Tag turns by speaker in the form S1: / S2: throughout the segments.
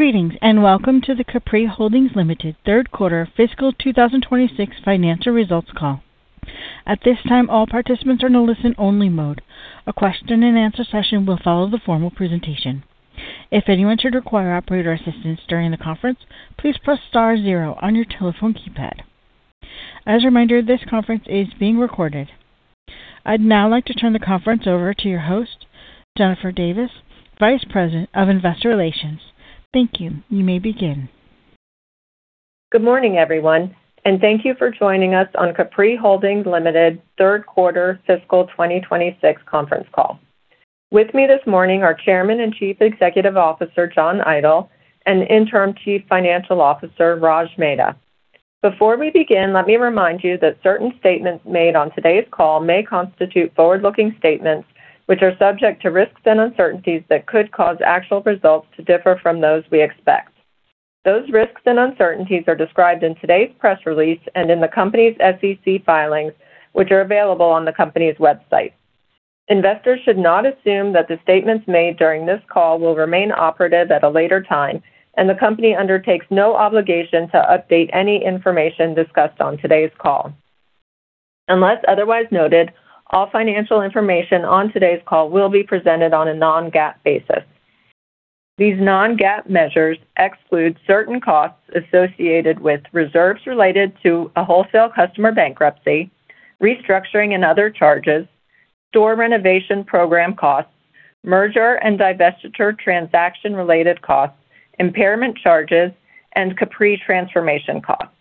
S1: ...Greetings, and welcome to the Capri Holdings Limited Third Quarter Fiscal 2026 Financial Results Call. At this time, all participants are in a listen-only mode. A question-and-answer session will follow the formal presentation. If anyone should require operator assistance during the conference, please press star zero on your telephone keypad. As a reminder, this conference is being recorded. I'd now like to turn the conference over to your host, Jennifer Davis, Vice President of Investor Relations. Thank you. You may begin.
S2: Good morning, everyone, and thank you for joining us on Capri Holdings Limited Third Quarter Fiscal 2026 Conference Call. With me this morning are Chairman and Chief Executive Officer John Idol and Interim Chief Financial Officer Raj Mehta. Before we begin, let me remind you that certain statements made on today's call may constitute forward-looking statements, which are subject to risks and uncertainties that could cause actual results to differ from those we expect. Those risks and uncertainties are described in today's press release and in the company's SEC filings, which are available on the company's website. Investors should not assume that the statements made during this call will remain operative at a later time, and the company undertakes no obligation to update any information discussed on today's call. Unless otherwise noted, all financial information on today's call will be presented on a non-GAAP basis. These non-GAAP measures exclude certain costs associated with reserves related to a wholesale customer bankruptcy, restructuring and other charges, store renovation program costs, merger and divestiture transaction-related costs, impairment charges, and Capri transformation costs.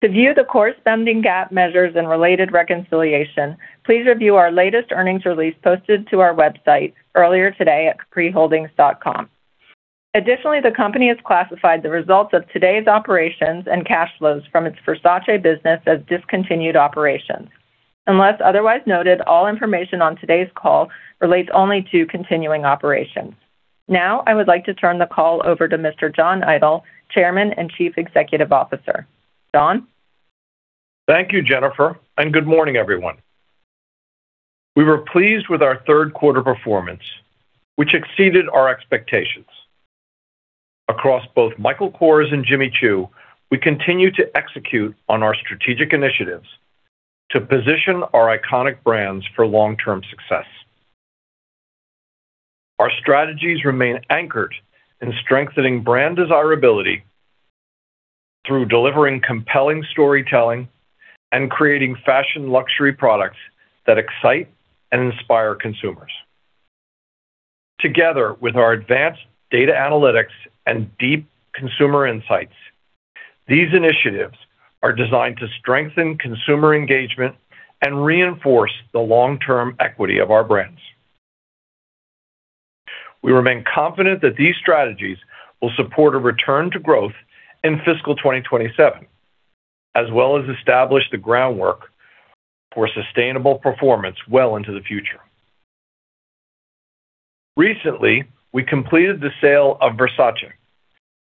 S2: To view the corresponding GAAP measures and related reconciliation, please review our latest earnings release posted to our website earlier today at capriholdings.com. Additionally, the company has classified the results of today's operations and cash flows from its Versace business as discontinued operations. Unless otherwise noted, all information on today's call relates only to continuing operations. Now, I would like to turn the call over to Mr. John Idol, Chairman and Chief Executive Officer. John?
S3: Thank you, Jennifer, and good morning, everyone. We were pleased with our third quarter performance, which exceeded our expectations. Across both Michael Kors and Jimmy Choo, we continue to execute on our strategic initiatives to position our iconic brands for long-term success. Our strategies remain anchored in strengthening brand desirability through delivering compelling storytelling and creating fashion luxury products that excite and inspire consumers. Together with our advanced data analytics and deep consumer insights, these initiatives are designed to strengthen consumer engagement and reinforce the long-term equity of our brands. We remain confident that these strategies will support a return to growth in fiscal 2027, as well as establish the groundwork for sustainable performance well into the future. Recently, we completed the sale of Versace,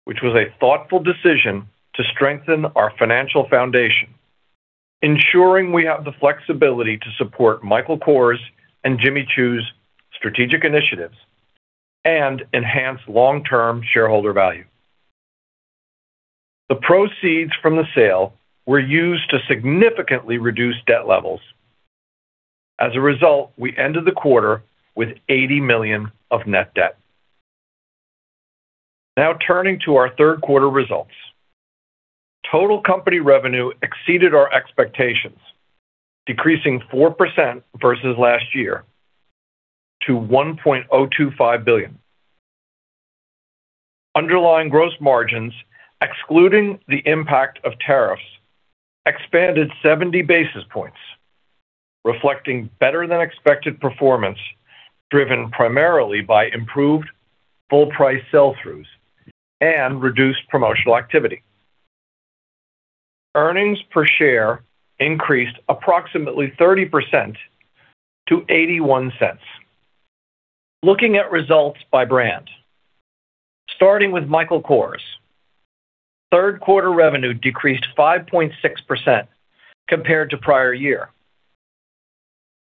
S3: which was a thoughtful decision to strengthen our financial foundation, ensuring we have the flexibility to support Michael Kors and Jimmy Choo's strategic initiatives and enhance long-term shareholder value. The proceeds from the sale were used to significantly reduce debt levels. As a result, we ended the quarter with $80 million of net debt. Now, turning to our third quarter results. Total company revenue exceeded our expectations, decreasing 4% versus last year to $1.025 billion. Underlying gross margins, excluding the impact of tariffs, expanded 70 basis points, reflecting better-than-expected performance, driven primarily by improved full price sell-throughs and reduced promotional activity. Earnings per share increased approximately 30% to $0.81. Looking at results by brand. Starting with Michael Kors, third quarter revenue decreased 5.6% compared to prior year.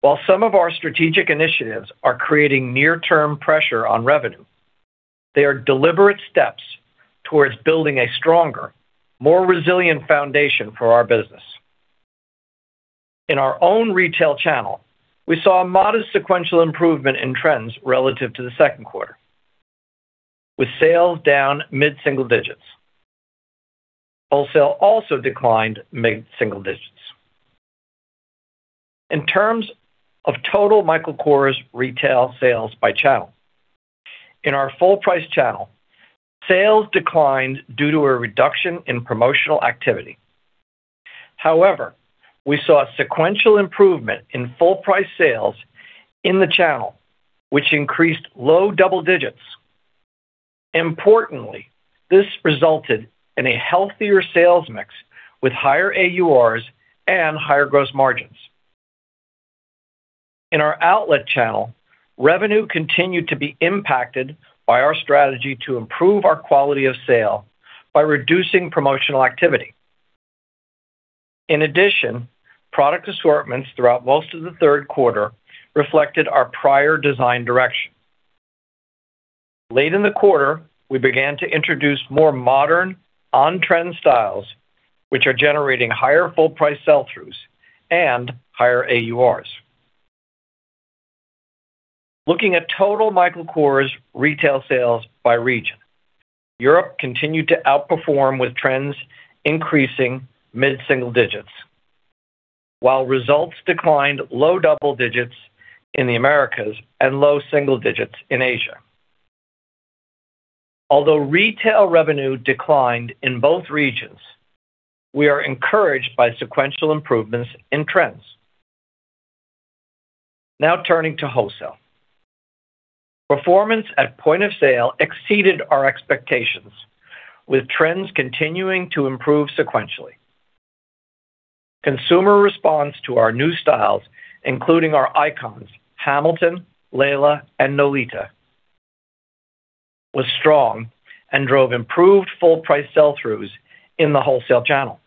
S3: While some of our strategic initiatives are creating near-term pressure on revenue, they are deliberate steps towards building a stronger, more resilient foundation for our business. In our own retail channel, we saw a modest sequential improvement in trends relative to the second quarter, with sales down mid-single digits. Wholesale also declined mid-single digits. In terms of total Michael Kors retail sales by channel, in our full price channel, sales declined due to a reduction in promotional activity. However, we saw a sequential improvement in full price sales in the channel, which increased low double digits. Importantly, this resulted in a healthier sales mix with higher AURs and higher gross margins. In our outlet channel, revenue continued to be impacted by our strategy to improve our quality of sale by reducing promotional activity. In addition, product assortments throughout most of the third quarter reflected our prior design direction. Late in the quarter, we began to introduce more modern, on-trend styles, which are generating higher full price sell-throughs and higher AURs. Looking at total Michael Kors retail sales by region. Europe continued to outperform, with trends increasing mid-single digits, while results declined low double digits in the Americas and low single digits in Asia. Although retail revenue declined in both regions, we are encouraged by sequential improvements in trends. Now turning to wholesale. Performance at point of sale exceeded our expectations, with trends continuing to improve sequentially. Consumer response to our new styles, including our icons, Hamilton, Laila, and Nolita, was strong and drove improved full price sell-throughs in the wholesale channel.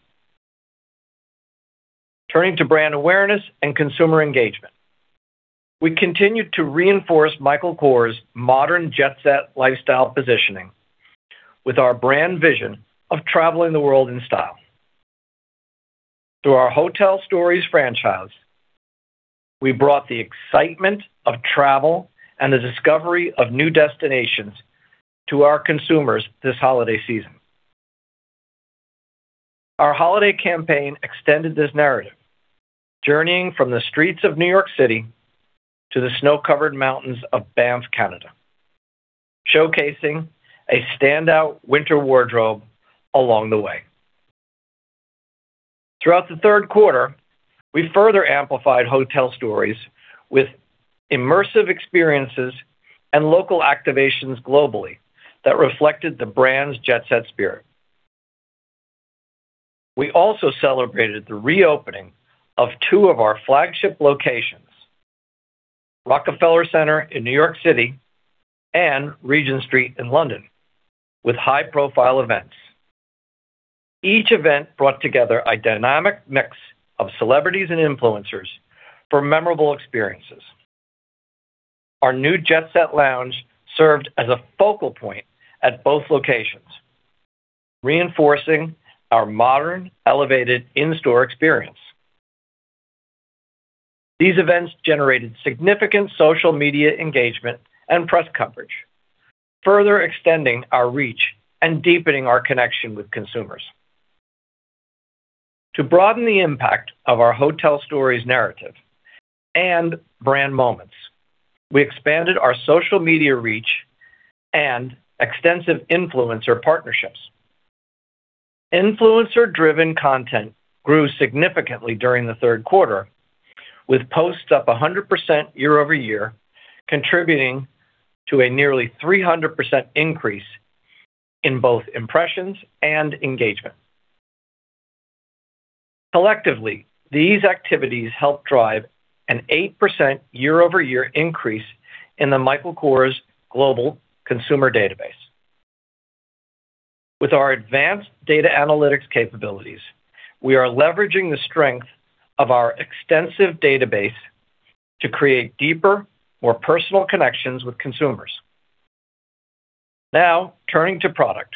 S3: Turning to brand awareness and consumer engagement. We continued to reinforce Michael Kors' modern Jet Set lifestyle positioning with our brand vision of traveling the world in style. Through our Hotel Stories franchise, we brought the excitement of travel and the discovery of new destinations to our consumers this holiday season. Our holiday campaign extended this narrative, journeying from the streets of New York City to the snow-covered mountains of Banff, Canada, showcasing a standout winter wardrobe along the way. Throughout the third quarter, we further amplified Hotel Stories with immersive experiences and local activations globally that reflected the brand's Jet Set spirit. We also celebrated the reopening of two of our flagship locations, Rockefeller Center in New York City and Regent Street in London, with high-profile events. Each event brought together a dynamic mix of celebrities and influencers for memorable experiences. Our new Jet Set Lounge served as a focal point at both locations, reinforcing our modern, elevated in-store experience. These events generated significant social media engagement and press coverage, further extending our reach and deepening our connection with consumers. To broaden the impact of our Hotel Stories narrative and brand moments, we expanded our social media reach and extensive influencer partnerships. Influencer-driven content grew significantly during the third quarter, with posts up 100% year-over-year, contributing to a nearly 300% increase in both impressions and engagement. Collectively, these activities helped drive an 8% year-over-year increase in the Michael Kors global consumer database. With our advanced data analytics capabilities, we are leveraging the strength of our extensive database to create deeper, more personal connections with consumers. Now, turning to product.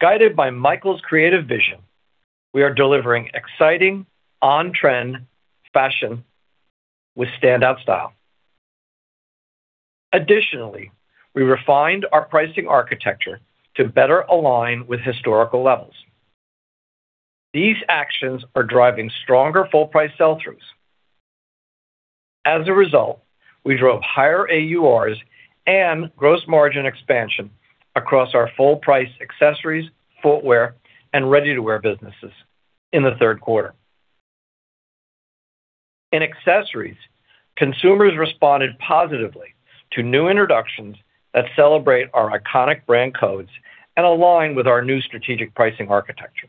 S3: Guided by Michael's creative vision, we are delivering exciting, on-trend fashion with standout style. Additionally, we refined our pricing architecture to better align with historical levels. These actions are driving stronger full price sell-throughs. As a result, we drove higher AURs and gross margin expansion across our full price accessories, footwear, and ready-to-wear businesses in the third quarter. In accessories, consumers responded positively to new introductions that celebrate our iconic brand codes and align with our new strategic pricing architecture.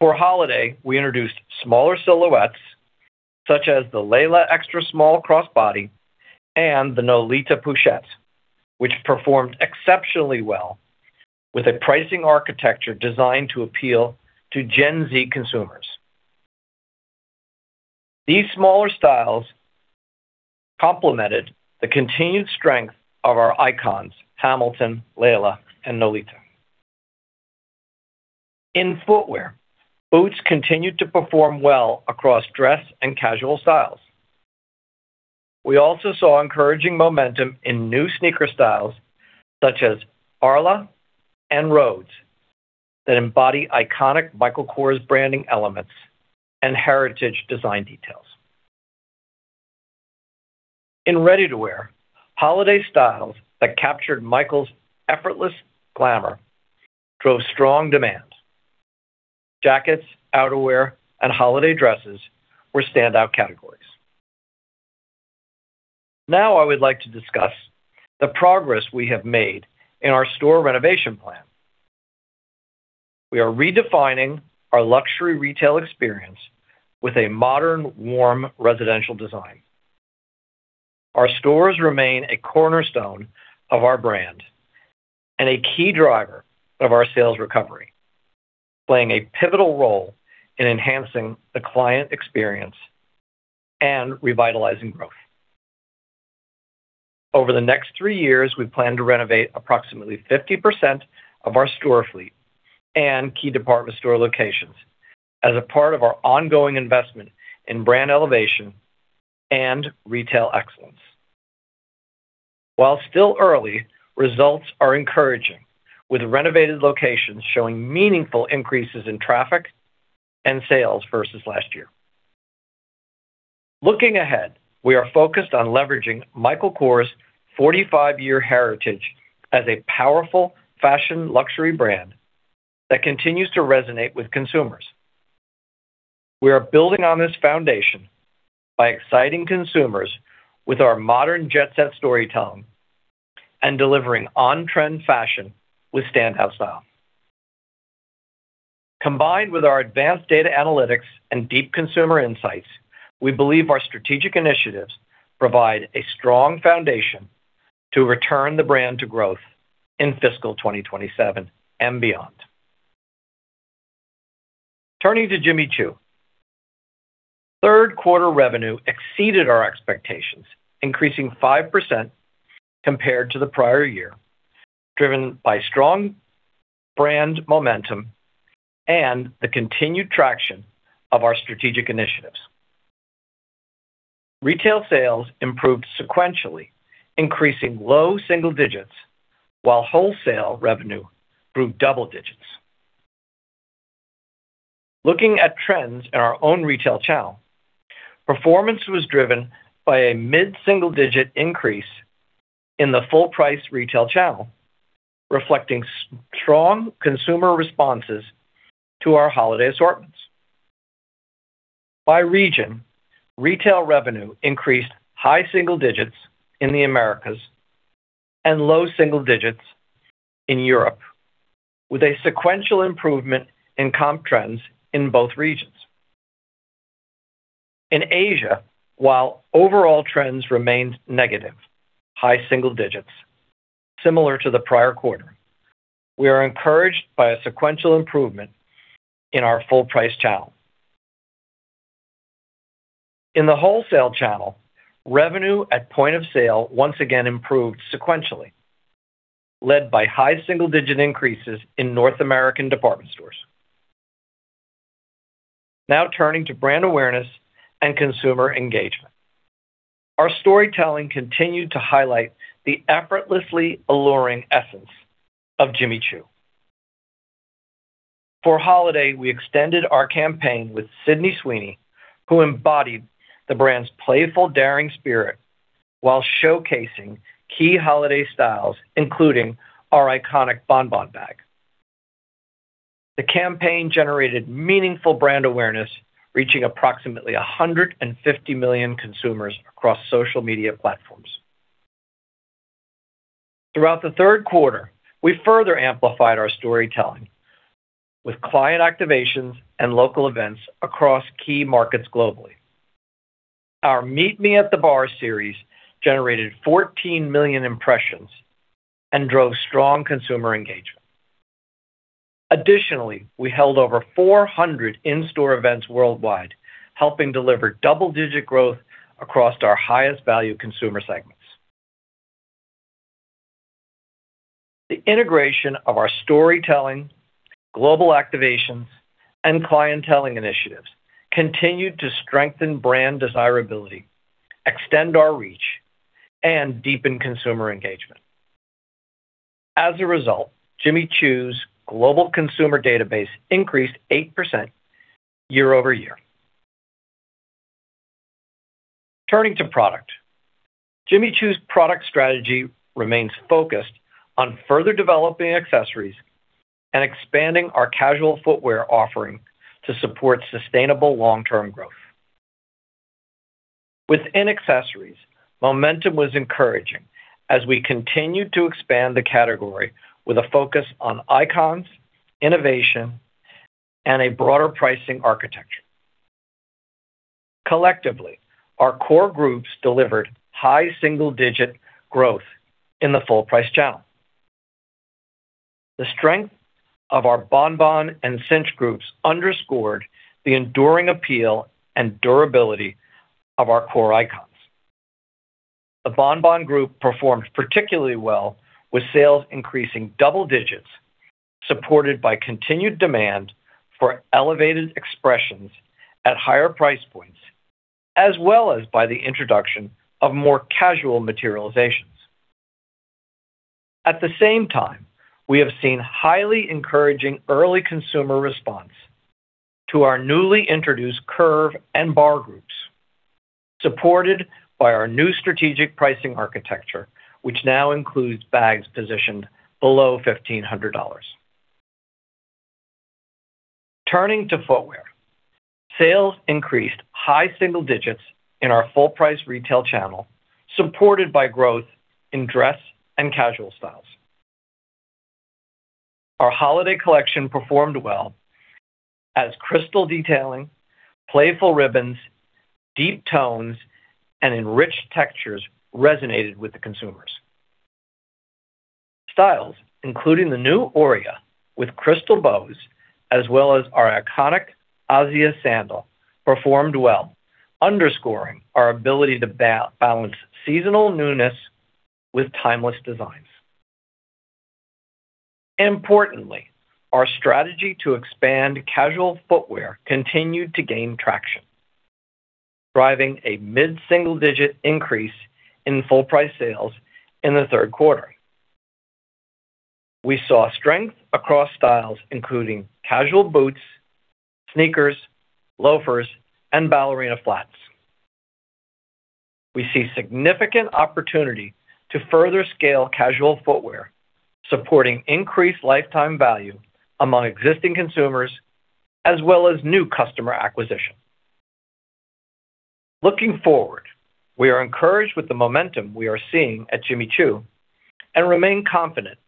S3: For holiday, we introduced smaller silhouettes such as the Laila extra small crossbody and the Nolita Pochette, which performed exceptionally well with a pricing architecture designed to appeal to Gen Z consumers. These smaller styles complemented the continued strength of our icons, Hamilton, Laila, and Nolita. In footwear, boots continued to perform well across dress and casual styles. We also saw encouraging momentum in new sneaker styles such as Arla and Rhodes, that embody iconic Michael Kors branding elements and heritage design details. In ready to wear, holiday styles that captured Michael's effortless glamour drove strong demand. Jackets, outerwear, and holiday dresses were standout categories. Now, I would like to discuss the progress we have made in our store renovation plan. We are redefining our luxury retail experience with a modern, warm, residential design. Our stores remain a cornerstone of our brand and a key driver of our sales recovery, playing a pivotal role in enhancing the client experience and revitalizing growth. Over the next three years, we plan to renovate approximately 50% of our store fleet and key department store locations as a part of our ongoing investment in brand elevation and retail excellence. While still early, results are encouraging, with renovated locations showing meaningful increases in traffic and sales versus last year. Looking ahead, we are focused on leveraging Michael Kors' 45-year heritage as a powerful fashion luxury brand that continues to resonate with consumers. We are building on this foundation by exciting consumers with our modern Jet Set storytelling and delivering on-trend fashion with standout style. Combined with our advanced data analytics and deep consumer insights, we believe our strategic initiatives provide a strong foundation to return the brand to growth in fiscal 2027 and beyond. Turning to Jimmy Choo. Third quarter revenue exceeded our expectations, increasing 5% compared to the prior year, driven by strong brand momentum and the continued traction of our strategic initiatives. Retail sales improved sequentially, increasing low single digits, while wholesale revenue grew double digits. Looking at trends in our own retail channel, performance was driven by a mid-single-digit increase in the full price retail channel, reflecting strong consumer responses to our holiday assortments. By region, retail revenue increased high single digits in the Americas and low single digits in Europe, with a sequential improvement in comp trends in both regions. In Asia, while overall trends remained negative, high single digits, similar to the prior quarter, we are encouraged by a sequential improvement in our full price channel. In the wholesale channel, revenue at point of sale once again improved sequentially, led by high single-digit increases in North American department stores. Now turning to brand awareness and consumer engagement. Our storytelling continued to highlight the effortlessly alluring essence of Jimmy Choo. For holiday, we extended our campaign with Sydney Sweeney, who embodied the brand's playful, daring spirit while showcasing key holiday styles, including our iconic Bon Bon bag. The campaign generated meaningful brand awareness, reaching approximately 150 million consumers across social media platforms. Throughout the third quarter, we further amplified our storytelling with client activations and local events across key markets globally. Our Meet Me at the Bar series generated 14 million impressions and drove strong consumer engagement. Additionally, we held over 400 in-store events worldwide, helping deliver double-digit growth across our highest value consumer segments. The integration of our storytelling, global activations, and clienteling initiatives continued to strengthen brand desirability, extend our reach, and deepen consumer engagement. As a result, Jimmy Choo's global consumer database increased 8% year-over-year. Turning to product. Jimmy Choo's product strategy remains focused on further developing accessories and expanding our casual footwear offering to support sustainable long-term growth. Within accessories, momentum was encouraging as we continued to expand the category with a focus on icons, innovation, and a broader pricing architecture. Collectively, our core groups delivered high single-digit growth in the full price channel. The strength of our Bonbon and Cinch groups underscored the enduring appeal and durability of our core icons. The Bonbon group performed particularly well, with sales increasing double digits, supported by continued demand for elevated expressions at higher price points, as well as by the introduction of more casual materializations. At the same time, we have seen highly encouraging early consumer response to our newly introduced Curve and Bar groups, supported by our new strategic pricing architecture, which now includes bags positioned below $1,500. Turning to footwear. Sales increased high single digits in our full price retail channel, supported by growth in dress and casual styles. Our holiday collection performed well as crystal detailing, playful ribbons, deep tones, and enriched textures resonated with the consumers. Styles, including the new Auria, with crystal bows, as well as our iconic Azia sandal, performed well, underscoring our ability to balance seasonal newness with timeless designs. Importantly, our strategy to expand casual footwear continued to gain traction, driving a mid-single-digit increase in full price sales in the third quarter. We saw strength across styles, including casual boots, sneakers, loafers, and ballerina flats. We see significant opportunity to further scale casual footwear, supporting increased lifetime value among existing consumers as well as new customer acquisition. Looking forward, we are encouraged with the momentum we are seeing at Jimmy Choo, and remain confident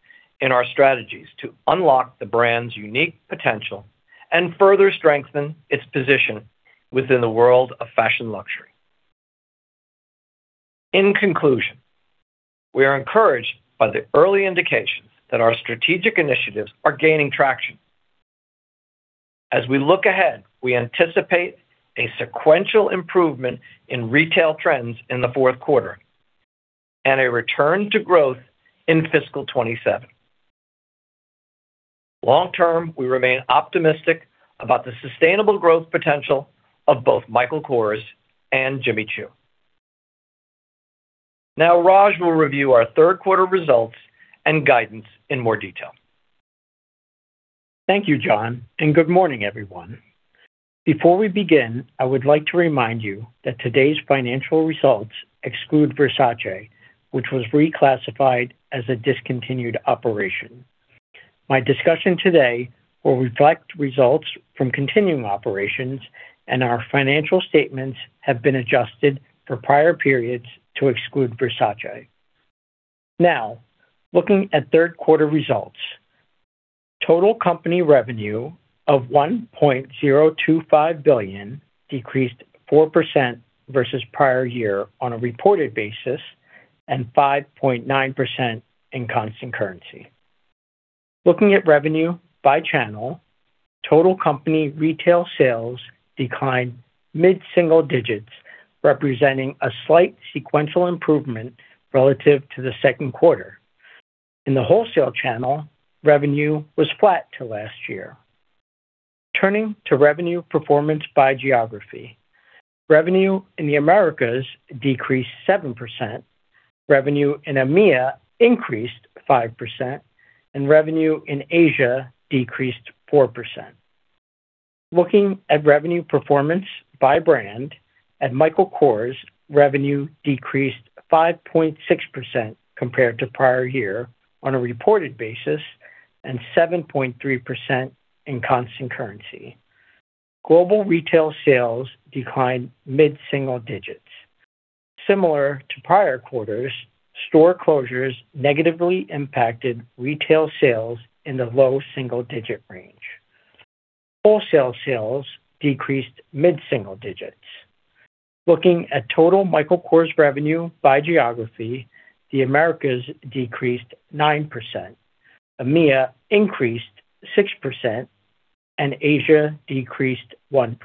S3: in our strategies to unlock the brand's unique potential and further strengthen its position within the world of fashion luxury. In conclusion, we are encouraged by the early indications that our strategic initiatives are gaining traction. As we look ahead, we anticipate a sequential improvement in retail trends in the fourth quarter and a return to growth in fiscal 2027. Long-term, we remain optimistic about the sustainable growth potential of both Michael Kors and Jimmy Choo. Now, Raj will review our third quarter results and guidance in more detail.
S4: Thank you, John, and good morning, everyone. Before we begin, I would like to remind you that today's financial results exclude Versace, which was reclassified as a discontinued operation. My discussion today will reflect results from continuing operations, and our financial statements have been adjusted for prior periods to exclude Versace. Now, looking at third quarter results. Total company revenue of $1.025 billion decreased 4% versus prior year on a reported basis and 5.9% in constant currency. Looking at revenue by channel, total company retail sales declined mid-single digits, representing a slight sequential improvement relative to the second quarter. In the wholesale channel, revenue was flat to last year. Turning to revenue performance by geography. Revenue in the Americas decreased 7%, revenue in EMEA increased 5%, and revenue in Asia decreased 4%. Looking at revenue performance by brand, at Michael Kors, revenue decreased 5.6% compared to prior year on a reported basis and 7.3% in constant currency. Global retail sales declined mid-single digits. Similar to prior quarters, store closures negatively impacted retail sales in the low-single-digit range. Wholesale sales decreased mid-single digits. Looking at total Michael Kors revenue by geography, the Americas decreased 9%, EMEA increased 6%, and Asia decreased 1%.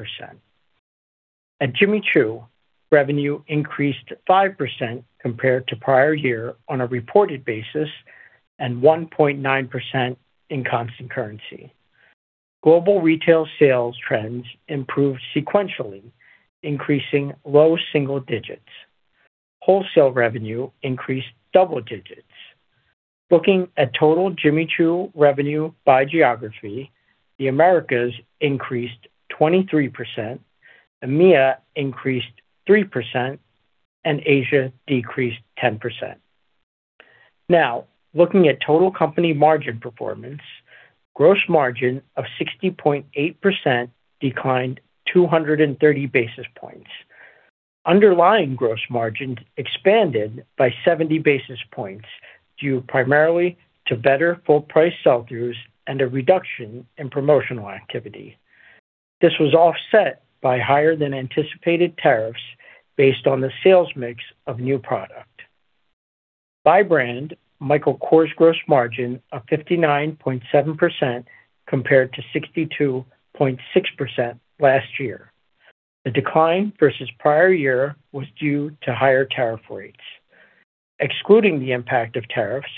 S4: At Jimmy Choo, revenue increased 5% compared to prior year on a reported basis and 1.9% in constant currency. Global retail sales trends improved sequentially, increasing low single digits. Wholesale revenue increased double digits. Looking at total Jimmy Choo revenue by geography, the Americas increased 23%, EMEA increased 3%, and Asia decreased 10%. Now, looking at total company margin performance, gross margin of 60.8% declined 230 basis points. Underlying gross margin expanded by 70 basis points, due primarily to better full price sell-throughs and a reduction in promotional activity. This was offset by higher than anticipated tariffs based on the sales mix of new product. By brand, Michael Kors gross margin of 59.7% compared to 62.6% last year. The decline versus prior year was due to higher tariff rates. Excluding the impact of tariffs,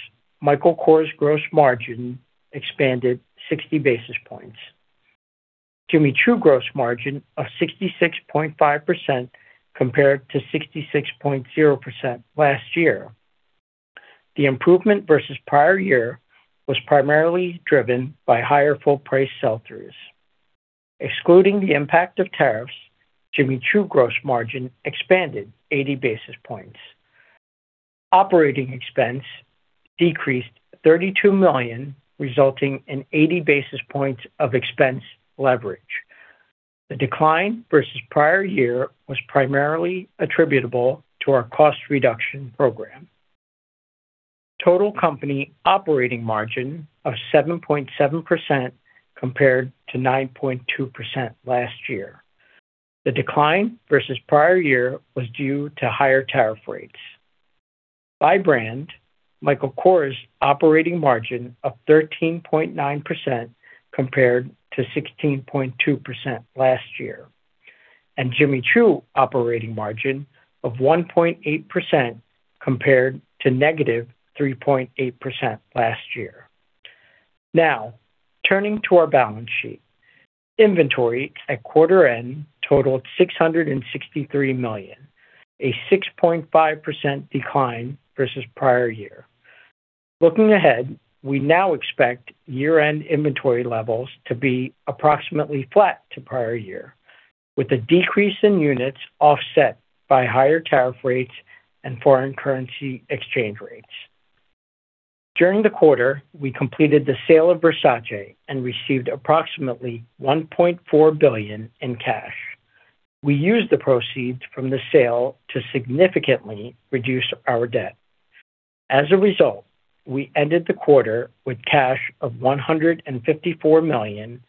S4: Michael Kors gross margin expanded 60 basis points. Jimmy Choo gross margin of 66.5% compared to 66.0% last year. The improvement versus prior year was primarily driven by higher full price sell-throughs. Excluding the impact of tariffs, Jimmy Choo gross margin expanded 80 basis points. Operating expense decreased $32 million, resulting in 80 basis points of expense leverage. The decline versus prior year was primarily attributable to our cost reduction program. Total company operating margin of 7.7% compared to 9.2% last year. The decline versus prior year was due to higher tariff rates. By brand, Michael Kors' operating margin of 13.9% compared to 16.2% last year, and Jimmy Choo operating margin of 1.8% compared to -3.8% last year. Now, turning to our balance sheet. Inventory at quarter end totaled $663 million, a 6.5% decline versus prior year. Looking ahead, we now expect year-end inventory levels to be approximately flat to prior year, with a decrease in units offset by higher tariff rates and foreign currency exchange rates. During the quarter, we completed the sale of Versace and received approximately $1.4 billion in cash. We used the proceeds from the sale to significantly reduce our debt. As a result, we ended the quarter with cash of $154 million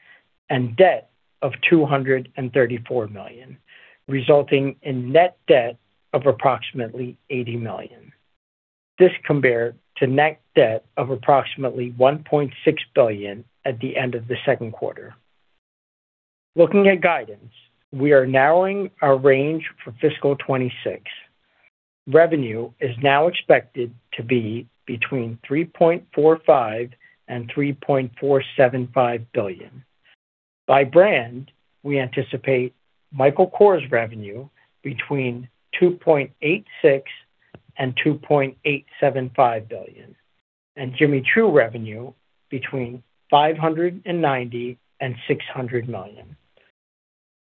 S4: and debt of $234 million, resulting in net debt of approximately $80 million. This compared to net debt of approximately $1.6 billion at the end of the second quarter. Looking at guidance, we are narrowing our range for fiscal 2026. Revenue is now expected to be between $3.45 billion-$3.475 billion. By brand, we anticipate Michael Kors revenue between $2.86 billion-$2.875 billion, and Jimmy Choo revenue between $590 million and $600 million.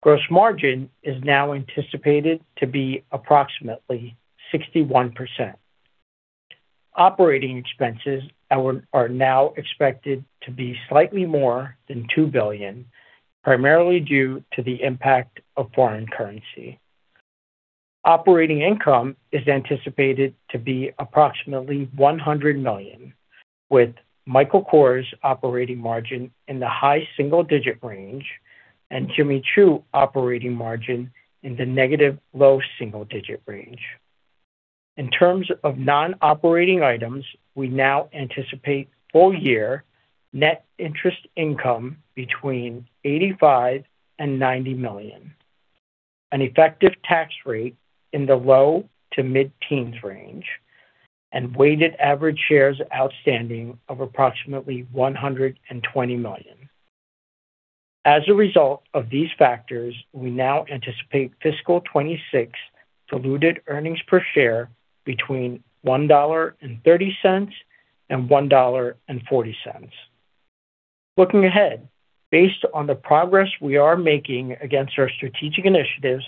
S4: Gross margin is now anticipated to be approximately 61%. Operating expenses are now expected to be slightly more than $2 billion, primarily due to the impact of foreign currency. Operating income is anticipated to be approximately $100 million, with Michael Kors operating margin in the high single-digit range and Jimmy Choo operating margin in the negative low single-digit range. In terms of non-operating items, we now anticipate full year net interest income between $85 million and $90 million, an effective tax rate in the low to mid-teens range, and weighted average shares outstanding of approximately 120 million. As a result of these factors, we now anticipate fiscal 2026 diluted earnings per share between $1.30 and $1.40. Looking ahead, based on the progress we are making against our strategic initiatives,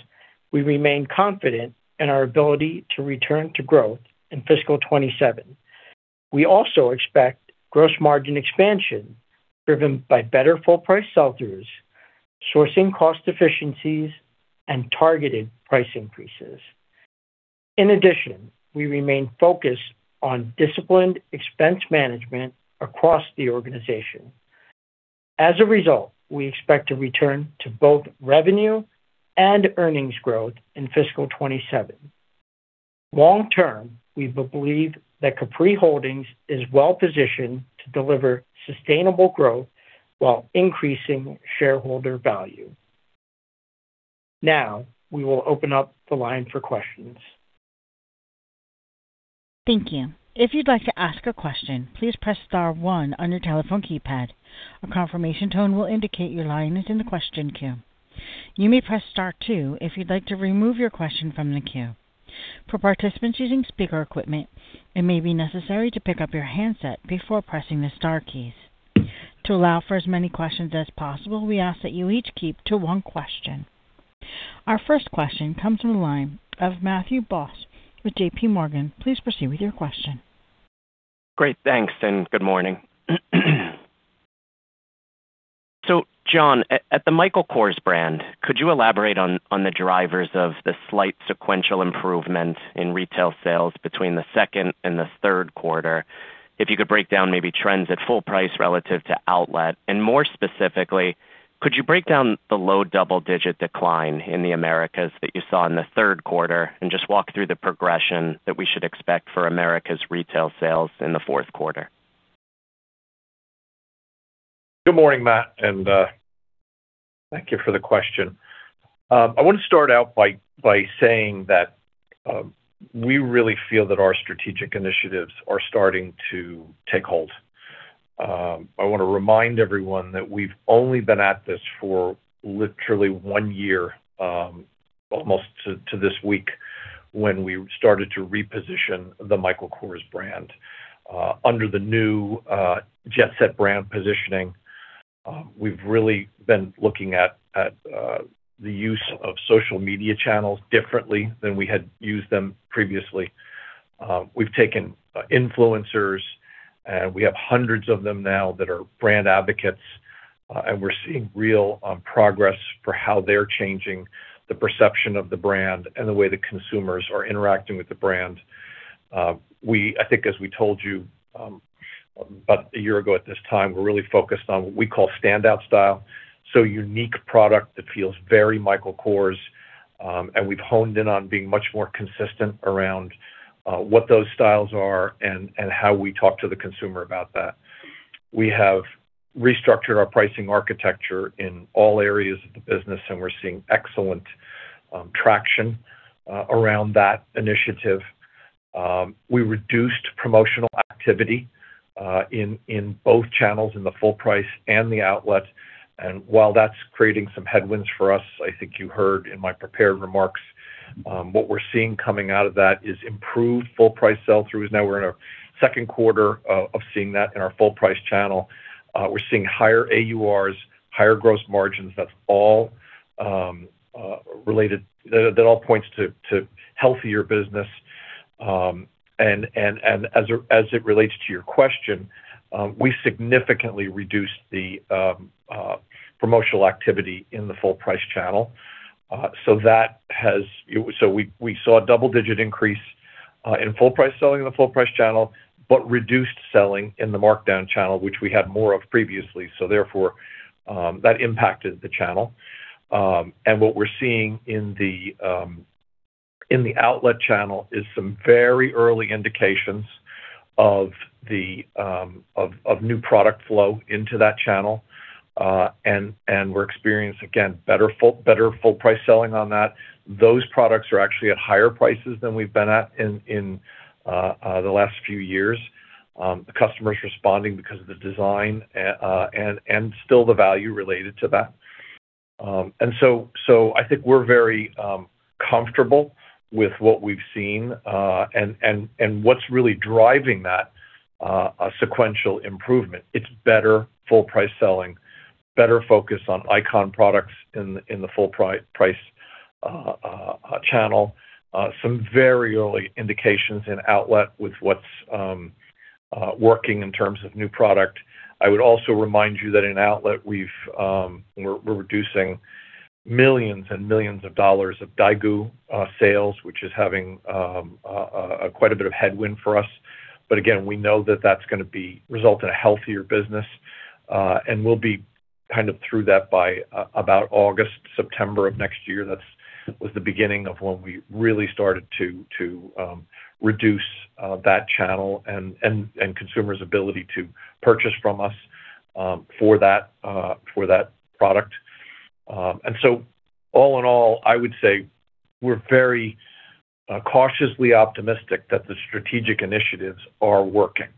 S4: we remain confident in our ability to return to growth in fiscal 2027. We also expect gross margin expansion, driven by better full price sell-throughs, sourcing cost efficiencies, and targeted price increases. In addition, we remain focused on disciplined expense management across the organization. As a result, we expect to return to both revenue and earnings growth in fiscal 2027. Long term, we believe that Capri Holdings is well positioned to deliver sustainable growth while increasing shareholder value. Now, we will open up the line for questions.
S1: Thank you. If you'd like to ask a question, please press star one on your telephone keypad. A confirmation tone will indicate your line is in the question queue. You may press star two if you'd like to remove your question from the queue. For participants using speaker equipment, it may be necessary to pick up your handset before pressing the star keys. To allow for as many questions as possible, we ask that you each keep to one question. Our first question comes from the line of Matthew Boss with JP Morgan. Please proceed with your question.
S5: Great, thanks, and good morning. So John, at the Michael Kors brand, could you elaborate on the drivers of the slight sequential improvement in retail sales between the second and the third quarter? If you could break down maybe trends at full price relative to outlet, and more specifically, could you break down the low double-digit decline in the Americas that you saw in the third quarter and just walk through the progression that we should expect for Americas retail sales in the fourth quarter?
S3: Good morning, Matt, and thank you for the question. I want to start out by saying that we really feel that our strategic initiatives are starting to take hold. I want to remind everyone that we've only been at this for literally one year, almost to this week, when we started to reposition the Michael Kors brand. Under the new Jet Set brand positioning, we've really been looking at the use of social media channels differently than we had used them previously.... we've taken influencers, and we have hundreds of them now that are brand advocates, and we're seeing real progress for how they're changing the perception of the brand and the way the consumers are interacting with the brand. We, I think as we told you, about a year ago at this time, we're really focused on what we call standout style, so unique product that feels very Michael Kors. And we've honed in on being much more consistent around what those styles are and how we talk to the consumer about that. We have restructured our pricing architecture in all areas of the business, and we're seeing excellent traction around that initiative. We reduced promotional activity in both channels: in the full price and the outlet. While that's creating some headwinds for us, I think you heard in my prepared remarks what we're seeing coming out of that is improved full price sell-throughs. Now we're in our second quarter of seeing that in our full price channel. We're seeing higher AURs, higher gross margins. That's all related. That all points to healthier business. And as it relates to your question, we significantly reduced the promotional activity in the full price channel. So that has. So we saw a double-digit increase in full price selling in the full price channel, but reduced selling in the markdown channel, which we had more of previously, so therefore, that impacted the channel. And what we're seeing in the outlet channel is some very early indications of new product flow into that channel. And we're experiencing, again, better full price selling on that. Those products are actually at higher prices than we've been at in the last few years. The customer's responding because of the design and still the value related to that. And so I think we're very comfortable with what we've seen and what's really driving that sequential improvement. It's better full price selling, better focus on icon products in the full price channel, some very early indications in outlet with what's working in terms of new product. I would also remind you that in outlet, we've, we're reducing millions and millions of dollars daigou sales, which is having quite a bit of headwind for us. But again, we know that that's gonna result in a healthier business, and we'll be kind of through that by about August, September of next year. That was the beginning of when we really started to reduce that channel and consumers' ability to purchase from us for that product. And so all in all, I would say we're very cautiously optimistic that the strategic initiatives are working.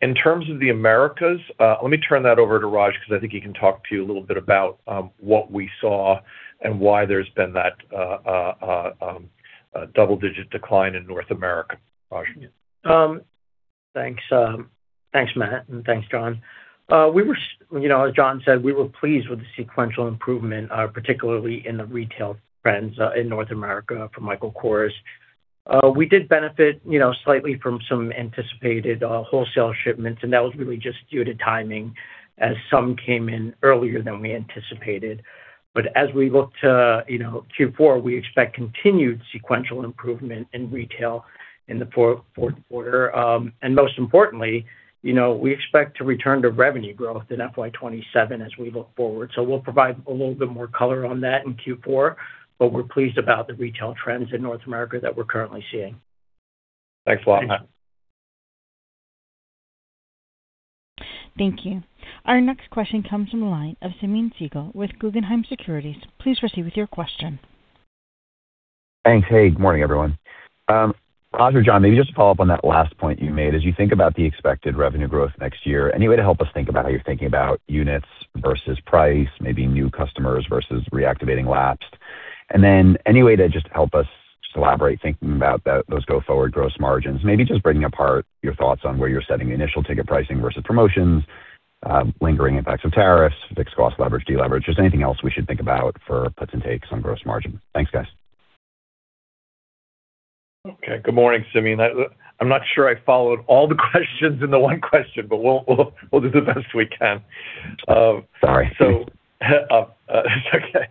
S3: In terms of the Americas, let me turn that over to Raj, because I think he can talk to you a little bit about what we saw and why there's been that double-digit decline in North America. Raj?
S4: Thanks. Thanks, Matt, and thanks, John. We were, you know, as John said, we were pleased with the sequential improvement, particularly in the retail trends in North America for Michael Kors. We did benefit, you know, slightly from some anticipated wholesale shipments, and that was really just due to timing, as some came in earlier than we anticipated. But as we look to, you know, Q4, we expect continued sequential improvement in retail in the fourth quarter. And most importantly, you know, we expect to return to revenue growth in FY 2027 as we look forward. So we'll provide a little bit more color on that in Q4, but we're pleased about the retail trends in North America that we're currently seeing.
S3: Thanks a lot, Matt.
S1: Thank you. Our next question comes from the line of Simeon Siegel with Guggenheim Securities. Please proceed with your question.
S6: Thanks. Hey, good morning, everyone. Raj or John, maybe just to follow up on that last point you made. As you think about the expected revenue growth next year, any way to help us think about how you're thinking about units versus price, maybe new customers versus reactivating lapsed? And then any way to just help us collaborate, thinking about those go forward gross margins, maybe just breaking apart your thoughts on where you're setting the initial ticket pricing versus promotions, lingering effects of tariffs, fixed cost leverage, deleverage. Just anything else we should think about for puts and takes on gross margin. Thanks, guys.
S3: Okay. Good morning, Simeon. I'm not sure I followed all the questions in the one question, but we'll do the best we can.
S6: Sorry.
S3: So, it's okay.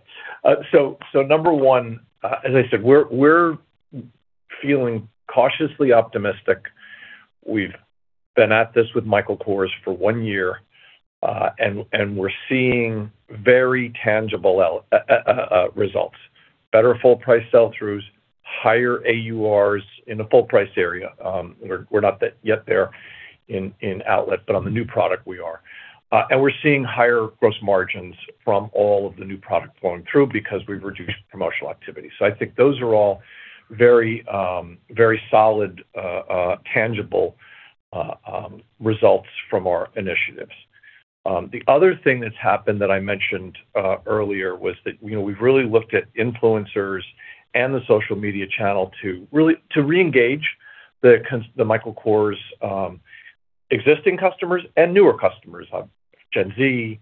S3: So, number one, as I said, we're feeling cautiously optimistic. We've been at this with Michael Kors for one year, and we're seeing very tangible results, better full price sell-throughs, higher AURs in the full price area. We're not yet there in outlet, but on the new product we are. And we're seeing higher gross margins from all of the new product flowing through because we've reduced promotional activity. So I think those are all very, very solid, tangible results from our initiatives. The other thing that's happened that I mentioned earlier was that, you know, we've really looked at influencers and the social media channel to really reengage the Michael Kors,... Existing customers and newer customers, Gen Z,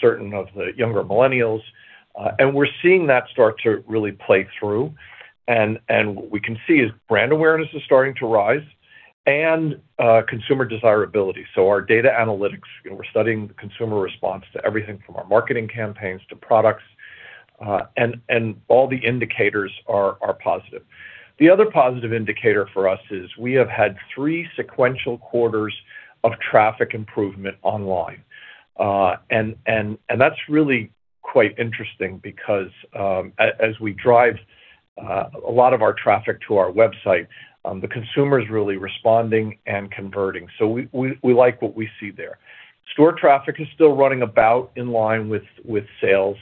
S3: certain of the younger millennials. And we're seeing that start to really play through. And what we can see is brand awareness is starting to rise and consumer desirability. So our data analytics, and we're studying the consumer response to everything from our marketing campaigns to products, and all the indicators are positive. The other positive indicator for us is we have had three sequential quarters of traffic improvement online. And that's really quite interesting because as we drive a lot of our traffic to our website, the consumer is really responding and converting. So we like what we see there. Store traffic is still running about in line with sales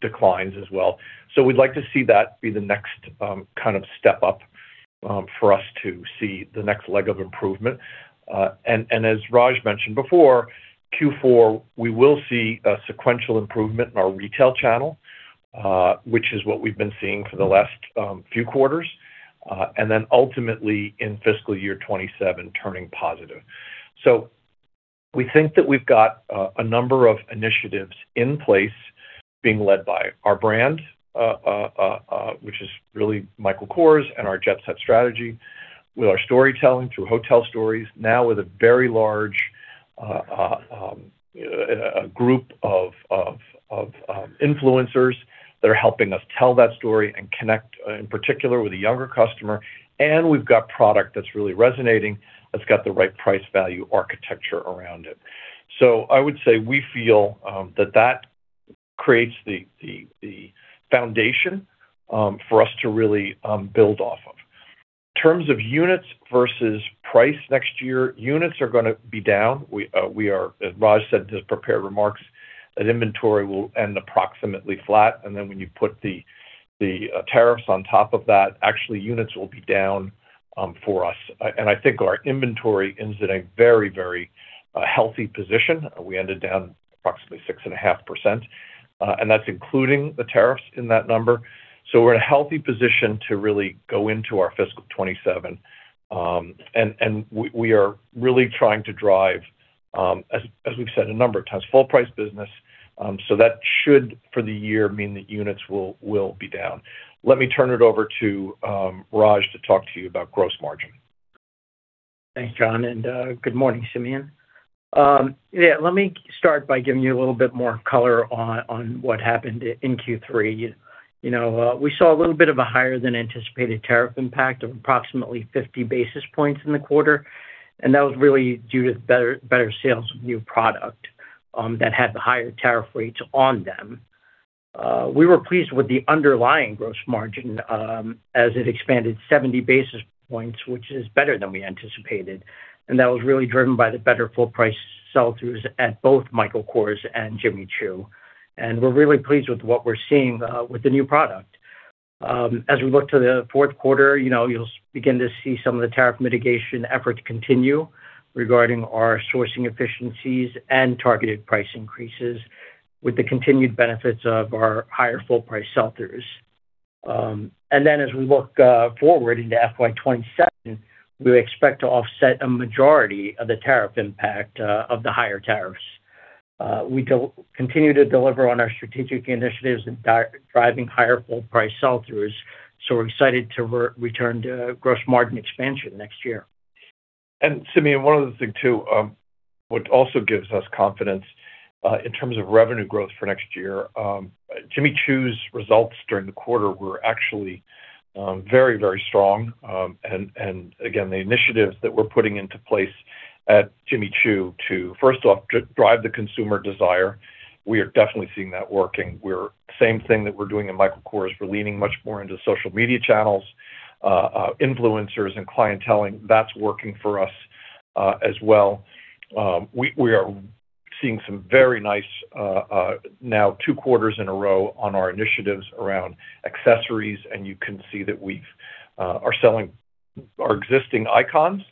S3: declines as well. So we'd like to see that be the next, kind of step up, for us to see the next leg of improvement. And as Raj mentioned before, Q4, we will see a sequential improvement in our retail channel, which is what we've been seeing for the last, few quarters, and then ultimately in fiscal year 2027, turning positive. So we think that we've got a number of initiatives in place being led by our brand, which is really Michael Kors and our Jet Set strategy, with our storytelling through hotel stories. Now with a very large, a group of influencers that are helping us tell that story and connect, in particular with a younger customer, and we've got product that's really resonating, that's got the right price value architecture around it. So I would say we feel that that creates the foundation for us to really build off of. In terms of units versus price next year, units are gonna be down. We are, as Raj said in his prepared remarks, that inventory will end approximately flat, and then when you put the tariffs on top of that, actually, units will be down for us. And I think our inventory ends at a very, very healthy position. We ended down approximately 6.5%, and that's including the tariffs in that number. So we're in a healthy position to really go into our fiscal 2027. And we are really trying to drive, as we've said a number of times, full price business. So that should, for the year, mean the units will be down. Let me turn it over to Raj to talk to you about gross margin.
S4: Thanks, John, and good morning, Simeon. Yeah, let me start by giving you a little bit more color on what happened in Q3. You know, we saw a little bit of a higher than anticipated tariff impact of approximately 50 basis points in the quarter, and that was really due to better sales of new product that had the higher tariff rates on them. We were pleased with the underlying gross margin as it expanded 70 basis points, which is better than we anticipated, and that was really driven by the better full price sell-throughs at both Michael Kors and Jimmy Choo. And we're really pleased with what we're seeing with the new product. As we look to the fourth quarter, you know, you'll begin to see some of the tariff mitigation efforts continue regarding our sourcing efficiencies and targeted price increases, with the continued benefits of our higher full price sell-throughs. And then as we look forward into FY 2027, we expect to offset a majority of the tariff impact of the higher tariffs. We continue to deliver on our strategic initiatives and driving higher full price sell-throughs, so we're excited to return to gross margin expansion next year.
S3: And Simeon, one other thing, too, what also gives us confidence in terms of revenue growth for next year. Jimmy Choo's results during the quarter were actually very, very strong. And again, the initiatives that we're putting into place at Jimmy Choo to, first off, drive the consumer desire, we are definitely seeing that working. We're same thing that we're doing in Michael Kors, we're leaning much more into social media channels, influencers and clienteling. That's working for us as well. We are seeing some very nice now two quarters in a row on our initiatives around accessories, and you can see that we are selling our existing icons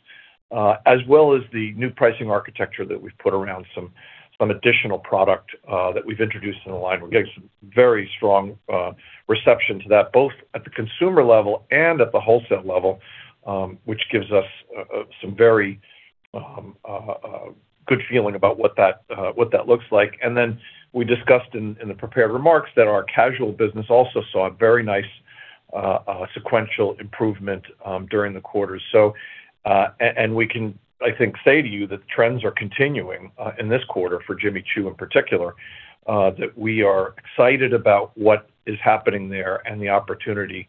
S3: as well as the new pricing architecture that we've put around some additional product that we've introduced in the line. We're getting some very strong reception to that, both at the consumer level and at the wholesale level, which gives us some very good feeling about what that looks like. And then we discussed in the prepared remarks that our casual business also saw a very nice sequential improvement during the quarter. So, and we can, I think, say to you that the trends are continuing in this quarter for Jimmy Choo in particular, that we are excited about what is happening there and the opportunity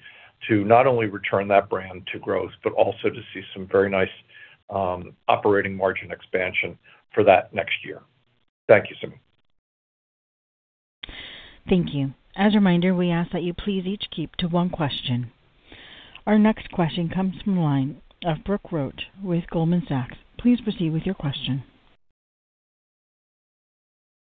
S3: to not only return that brand to growth, but also to see some very nice operating margin expansion for that next year. Thank you, Simeon.
S1: Thank you. As a reminder, we ask that you please each keep to one question. Our next question comes from the line of Brooke Roach with Goldman Sachs. Please proceed with your question.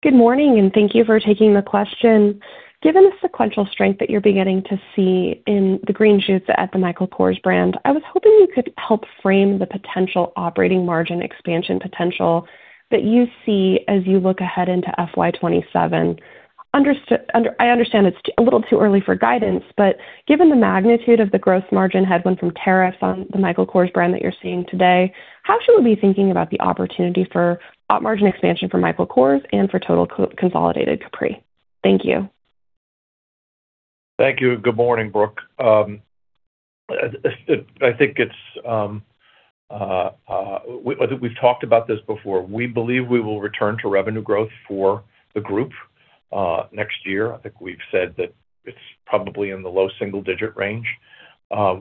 S7: Good morning, and thank you for taking the question. Given the sequential strength that you're beginning to see in the green shoots at the Michael Kors brand, I was hoping you could help frame the potential operating margin expansion potential that you see as you look ahead into FY 2027.... Understood—I understand it's a little too early for guidance, but given the magnitude of the gross margin headwind from tariffs on the Michael Kors brand that you're seeing today, how should we be thinking about the opportunity for op margin expansion for Michael Kors and for total co-consolidated Capri? Thank you.
S3: Thank you. Good morning, Brooke. I think we've talked about this before. We believe we will return to revenue growth for the group next year. I think we've said that it's probably in the low single-digit range.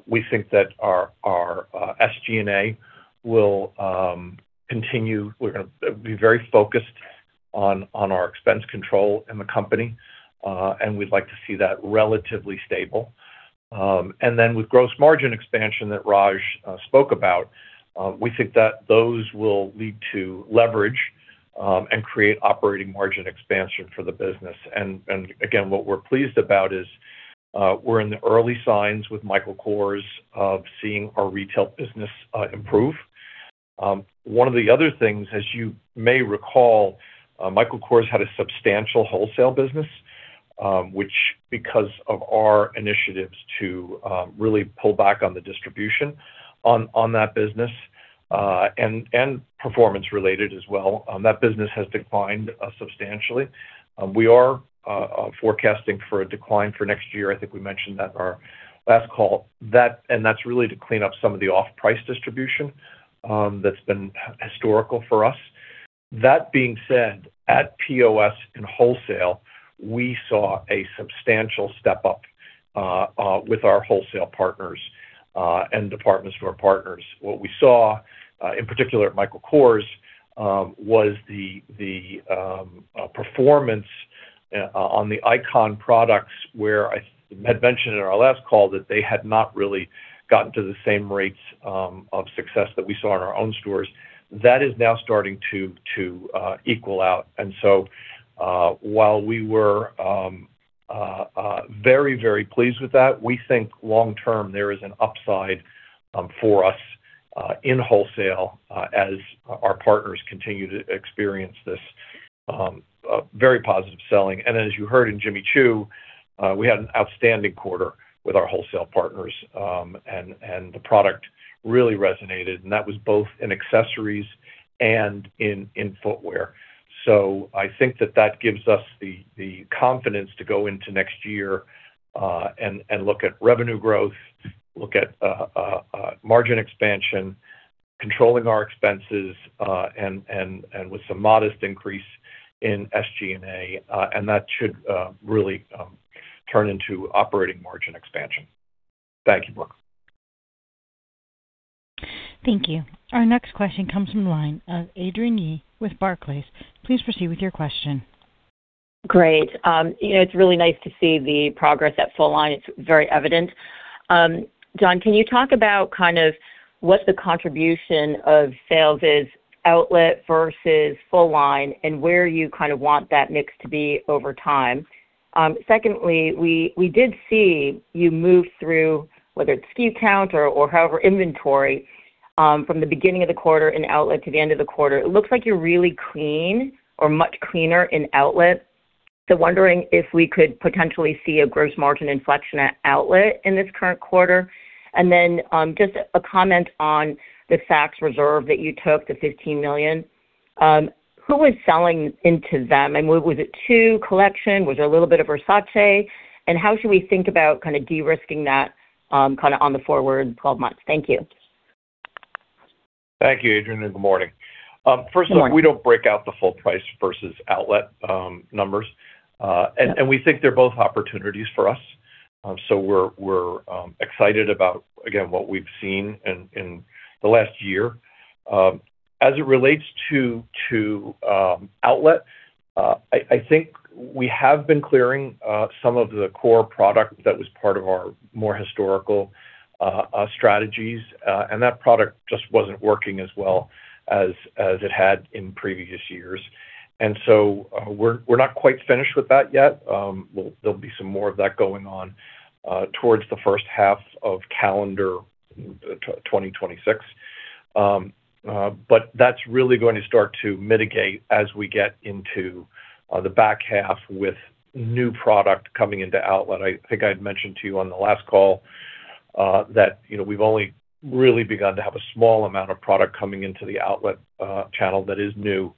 S3: We think that our SG&A will continue. We're gonna be very focused on our expense control in the company, and we'd like to see that relatively stable. And then with gross margin expansion that Raj spoke about, we think that those will lead to leverage and create operating margin expansion for the business. And again, what we're pleased about is, we're in the early signs with Michael Kors of seeing our retail business improve. One of the other things, as you may recall, Michael Kors had a substantial wholesale business, which because of our initiatives to really pull back on the distribution on that business, and performance related as well, that business has declined substantially. We are forecasting for a decline for next year. I think we mentioned that our last call. That and that's really to clean up some of the off-price distribution that's been historical for us. That being said, at POS and wholesale, we saw a substantial step up with our wholesale partners and department store partners. What we saw in particular at Michael Kors was the performance on the icon products where I had mentioned in our last call that they had not really gotten to the same rates of success that we saw in our own stores. That is now starting to equal out. And so while we were very, very pleased with that, we think long term there is an upside for us in wholesale as our partners continue to experience this very positive selling. And as you heard in Jimmy Choo, we had an outstanding quarter with our wholesale partners and the product really resonated, and that was both in accessories and in footwear. So I think that that gives us the confidence to go into next year, and look at revenue growth, look at margin expansion, controlling our expenses, and with some modest increase in SG&A, and that should really turn into operating margin expansion. Thank you, Brooke.
S1: Thank you. Our next question comes from the line of Adrienne Yih with Barclays. Please proceed with your question.
S8: Great. You know, it's really nice to see the progress at full line. It's very evident. John, can you talk about kind of what the contribution of sales is, outlet versus full line, and where you kind of want that mix to be over time? Secondly, we did see you move through, whether it's SKU count or however, inventory, from the beginning of the quarter in outlet to the end of the quarter. It looks like you're really clean or much cleaner in outlet. So wondering if we could potentially see a gross margin inflection at outlet in this current quarter. And then, just a comment on the Saks reserve that you took, the $15 million. Who was selling into them, and what was it to collection? Was it a little bit of Versace? How should we think about kind of de-risking that, kinda on the forward 12 months? Thank you.
S3: Thank you, Adrienne, and good morning.
S8: Good morning.
S3: First of all, we don't break out the full price versus outlet numbers. And we think they're both opportunities for us. So we're excited about, again, what we've seen in the last year. As it relates to outlet, I think we have been clearing some of the core product that was part of our more historical strategies, and that product just wasn't working as well as it had in previous years. So we're not quite finished with that yet. There'll be some more of that going on towards the first half of calendar 2026. But that's really going to start to mitigate as we get into the back half with new product coming into outlet. I think I'd mentioned to you on the last call that, you know, we've only really begun to have a small amount of product coming into the outlet channel that is new,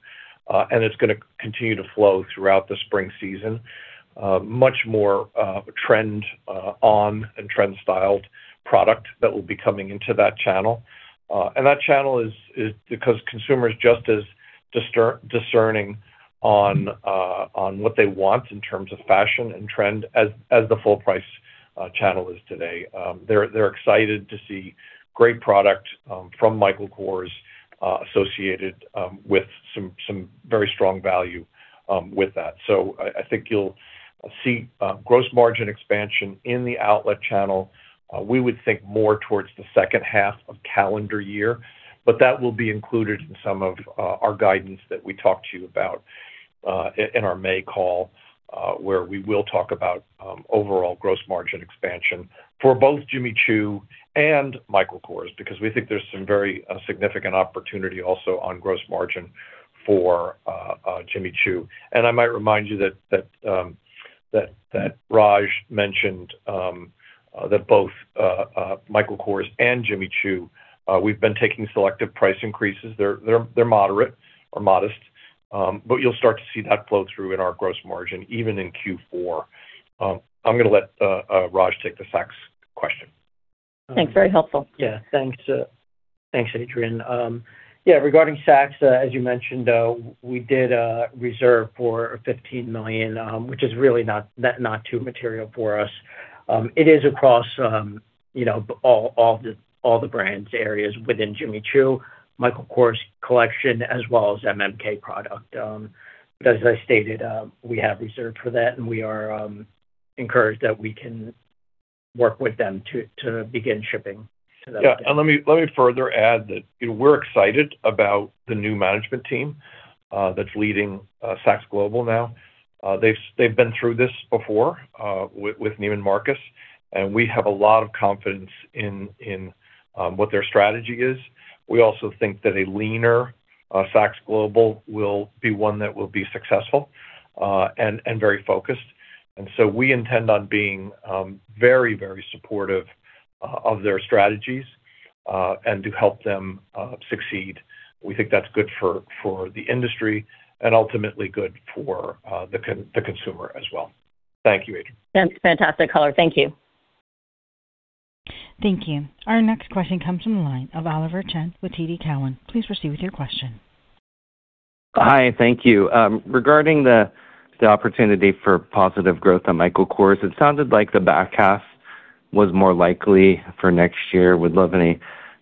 S3: and it's gonna continue to flow throughout the spring season. Much more on-trend styled product that will be coming into that channel. And that channel is because consumers just as discerning on what they want in terms of fashion and trend as the full price channel is today. They're excited to see great product from Michael Kors associated with some very strong value with that. So I think you'll see gross margin expansion in the outlet channel. We would think more towards the second half of calendar year, but that will be included in some of our guidance that we talked to you about in our May call, where we will talk about overall gross margin expansion for both Jimmy Choo and Michael Kors, because we think there's some very significant opportunity also on gross margin for Jimmy Choo. And I might remind you that Raj mentioned that both Michael Kors and Jimmy Choo we've been taking selective price increases. They're moderate or modest, but you'll start to see that flow through in our gross margin, even in Q4. I'm gonna let Raj take the Saks question.
S8: Thanks. Very helpful. Yeah.
S4: Thanks, thanks, Adrienne. Yeah, regarding Saks, as you mentioned, we did a reserve for $15 million, which is really not, not too material for us. It is across, you know, all, all the, all the brands areas within Jimmy Choo, Michael Kors Collection, as well as MMK product. But as I stated, we have reserved for that, and we are encouraged that we can work with them to, to begin shipping to that.
S3: Yeah, and let me further add that we're excited about the new management team that's leading Saks Global now. They've been through this before with Neiman Marcus, and we have a lot of confidence in what their strategy is. We also think that a leaner Saks Global will be one that will be successful and very focused. So we intend on being very, very supportive of their strategies and to help them succeed. We think that's good for the industry and ultimately good for the consumer as well. Thank you, Adrienne.
S8: Fantastic color. Thank you.
S1: Thank you. Our next question comes from the line of Oliver Chen with TD Cowen. Please proceed with your question.
S9: Hi, thank you. Regarding the opportunity for positive growth on Michael Kors, it sounded like the back half was more likely for next year. Would love any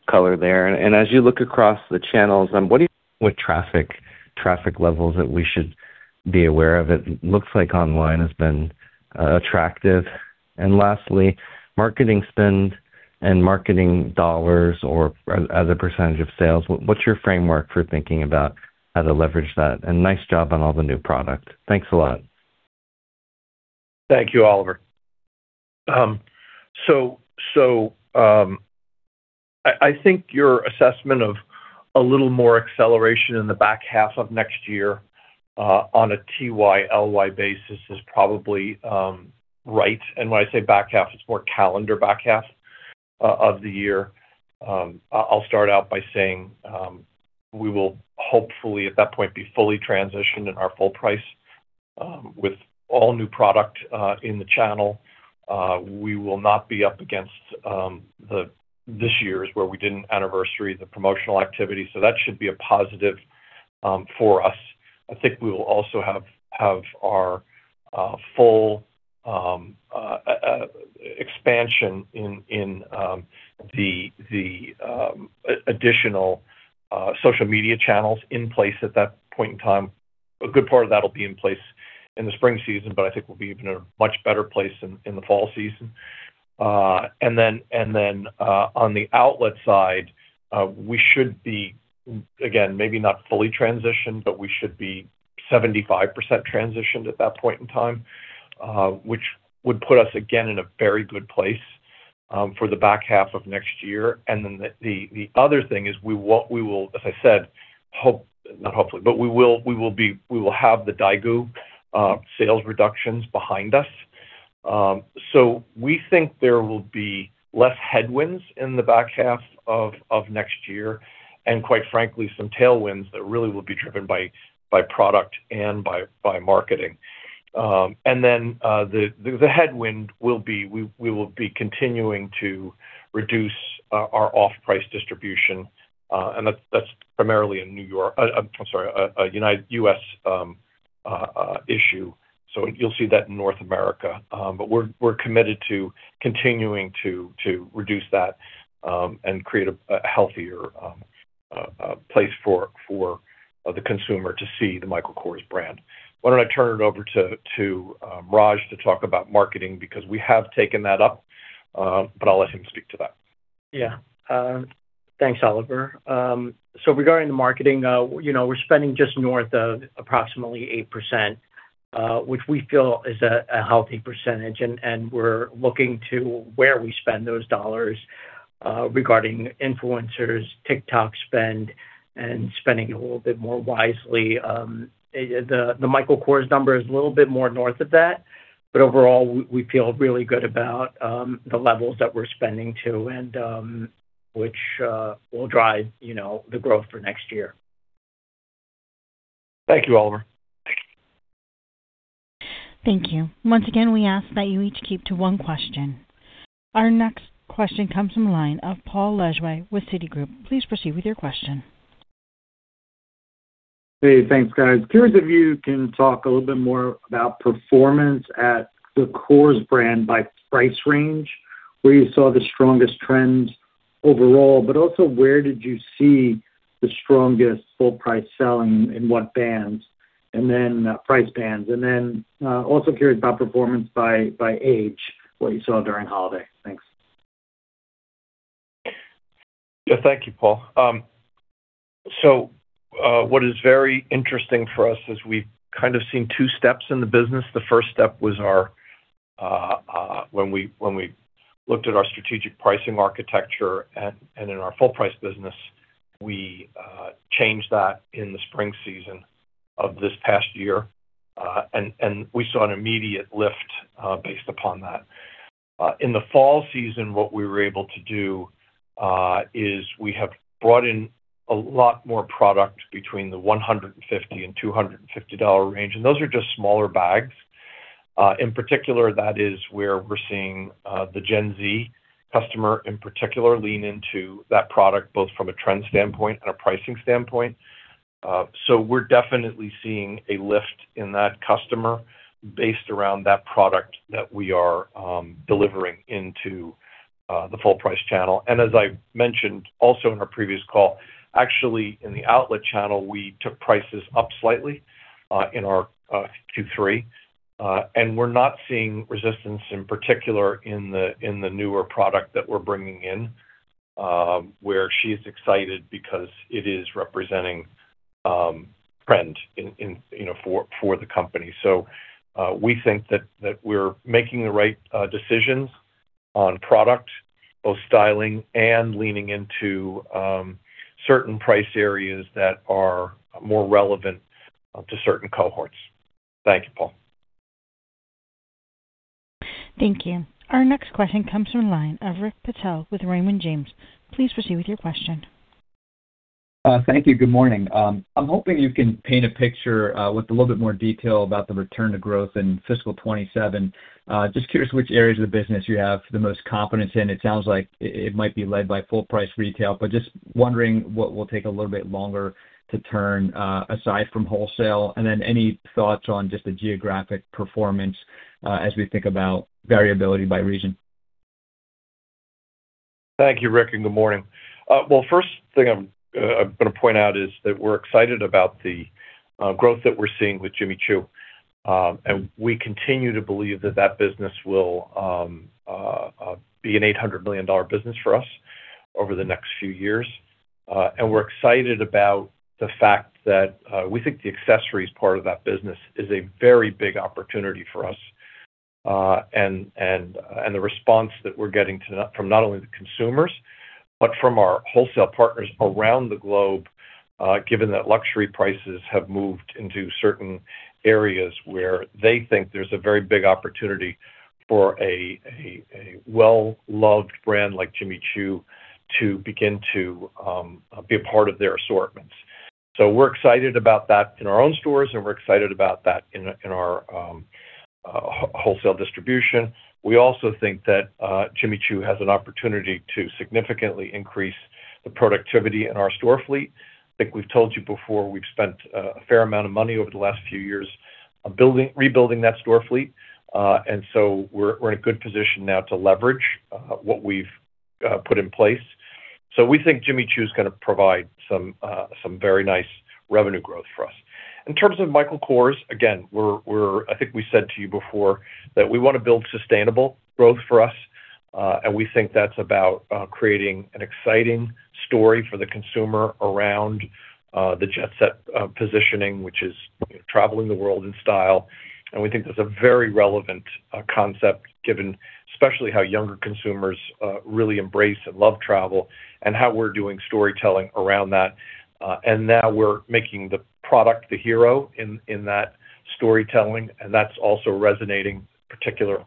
S9: color there. And as you look across the channels, with traffic levels that we should be aware of? It looks like online has been attractive. And lastly, marketing spend and marketing dollars or as a percentage of sales, what's your framework for thinking about how to leverage that? And nice job on all the new product. Thanks a lot.
S3: Thank you, Oliver. So, I think your assessment of a little more acceleration in the back half of next year, on a TYLY basis is probably right. When I say back half, it's more calendar back half of the year. I'll start out by saying, we will hopefully, at that point, be fully transitioned in our full price, with all new product, in the channel. We will not be up against, this year's where we didn't anniversary the promotional activity, so that should be a positive, for us. I think we will also have our full expansion in the additional social media channels in place at that point in time. A good part of that will be in place in the spring season, but I think we'll be in a much better place in the fall season. And then, on the outlet side, we should be, again, maybe not fully transitioned, but we should be 75% transitioned at that point in time, which would put us again in a very good place for the back half of next year. And then the other thing is we want, we will, as I said, hope, not hopefully, but we will, we will be, we will have the daigou sales reductions behind us. So we think there will be less headwinds in the back half of next year, and quite frankly, some tailwinds that really will be driven by product and by marketing. And then, the headwind will be, we will be continuing to reduce our off-price distribution, and that's primarily in New York. I'm sorry, a U.S. issue. So you'll see that in North America. But we're committed to continuing to reduce that, and create a healthier place for the consumer to see the Michael Kors brand. Why don't I turn it over to Raj to talk about marketing? Because we have taken that up, but I'll let him speak to that.
S4: Yeah. Thanks, Oliver. So regarding the marketing, you know, we're spending just north of approximately 8%, which we feel is a healthy percentage, and we're looking to where we spend those dollars, regarding influencers, TikTok spend, and spending a little bit more wisely. The Michael Kors number is a little bit more north of that, but overall, we feel really good about the levels that we're spending to, and which will drive, you know, the growth for next year.
S3: Thank you, Oliver.
S1: Thank you. Once again, we ask that you each keep to one question. Our next question comes from the line of Paul Lejuez with Citigroup. Please proceed with your question.
S10: Hey, thanks, guys. Curious if you can talk a little bit more about performance at the Kors brand by price range, where you saw the strongest trends overall, but also where did you see the strongest full price selling and what bands, and then price bands? And then also curious about performance by age, what you saw during holiday? Thanks.
S3: Yeah. Thank you, Paul. So, what is very interesting for us is we've kind of seen two steps in the business. The first step was when we, when we looked at our strategic pricing architecture and, and in our full price business, we changed that in the spring season of this past year. And, and we saw an immediate lift based upon that. In the fall season, what we were able to do is we have brought in a lot more product between the $150-$250 range, and those are just smaller bags. In particular, that is where we're seeing the Gen Z customer in particular, lean into that product, both from a trend standpoint and a pricing standpoint. So we're definitely seeing a lift in that customer based around that product that we are delivering into the full price channel. And as I mentioned also in our previous call, actually in the outlet channel, we took prices up slightly in our Q3. And we're not seeing resistance in particular in the newer product that we're bringing in, where she's excited because it is representing trend in, you know, for the company. So we think that we're making the right decisions on product, both styling and leaning into certain price areas that are more relevant to certain cohorts. Thank you, Paul.
S1: Thank you. Our next question comes from line of Rick Patel with Raymond James. Please proceed with your question.
S11: Thank you. Good morning. I'm hoping you can paint a picture with a little bit more detail about the return to growth in fiscal 2027. Just curious which areas of the business you have the most confidence in. It sounds like it might be led by full price retail, but just wondering what will take a little bit longer to turn, aside from wholesale? And then any thoughts on just the geographic performance, as we think about variability by region?
S3: Thank you, Rick, and good morning. Well, first thing I'm gonna point out is that we're excited about the growth that we're seeing with Jimmy Choo. We continue to believe that that business will be an $800 million business for us over the next few years. We're excited about the fact that we think the accessories part of that business is a very big opportunity for us. The response that we're getting to that from not only the consumers, but from our wholesale partners around the globe, given that luxury prices have moved into certain areas where they think there's a very big opportunity for a well-loved brand like Jimmy Choo to begin to be a part of their assortments. So we're excited about that in our own stores, and we're excited about that in our wholesale distribution. We also think that Jimmy Choo has an opportunity to significantly increase the productivity in our store fleet. I think we've told you before, we've spent a fair amount of money over the last few years on rebuilding that store fleet. And so we're in a good position now to leverage what we've put in place. So we think Jimmy Choo is gonna provide some some very nice revenue growth for us. In terms of Michael Kors, again, we're—I think we said to you before that we want to build sustainable growth for us, and we think that's about creating an exciting story for the consumer around the Jet Set positioning, which is traveling the world in style. We think that's a very relevant concept, given especially how younger consumers really embrace and love travel, and how we're doing storytelling around that. Now we're making the product the hero in that storytelling, and that's also resonating particularly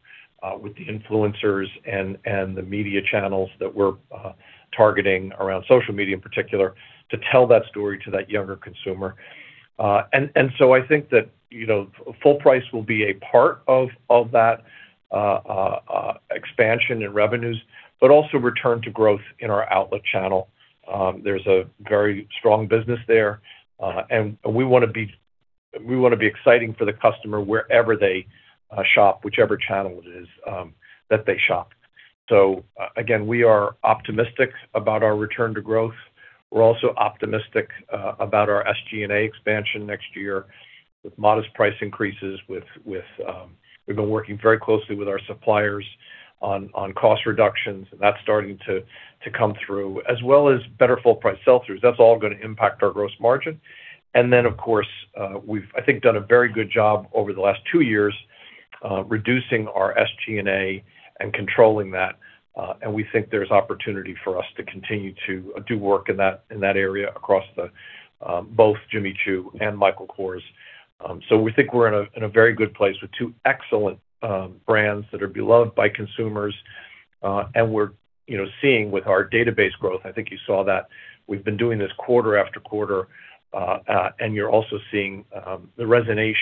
S3: with the influencers and the media channels that we're targeting around social media in particular, to tell that story to that younger consumer. And so I think that, you know, full price will be a part of that expansion in revenues, but also return to growth in our outlet channel. There's a very strong business there, and we wanna be exciting for the customer wherever they shop, whichever channel it is that they shop. So again, we are optimistic about our return to growth. We're also optimistic about our SG&A expansion next year with modest price increases, with... We've been working very closely with our suppliers on cost reductions, and that's starting to come through, as well as better full price sell-throughs. That's all going to impact our gross margin. And then, of course, we've, I think, done a very good job over the last two years, reducing our SG&A and controlling that, and we think there's opportunity for us to continue to do work in that, in that area across the both Jimmy Choo and Michael Kors. So we think we're in a, in a very good place with two excellent brands that are beloved by consumers, and we're, you know, seeing with our database growth. I think you saw that we've been doing this quarter after quarter. And you're also seeing the resonance,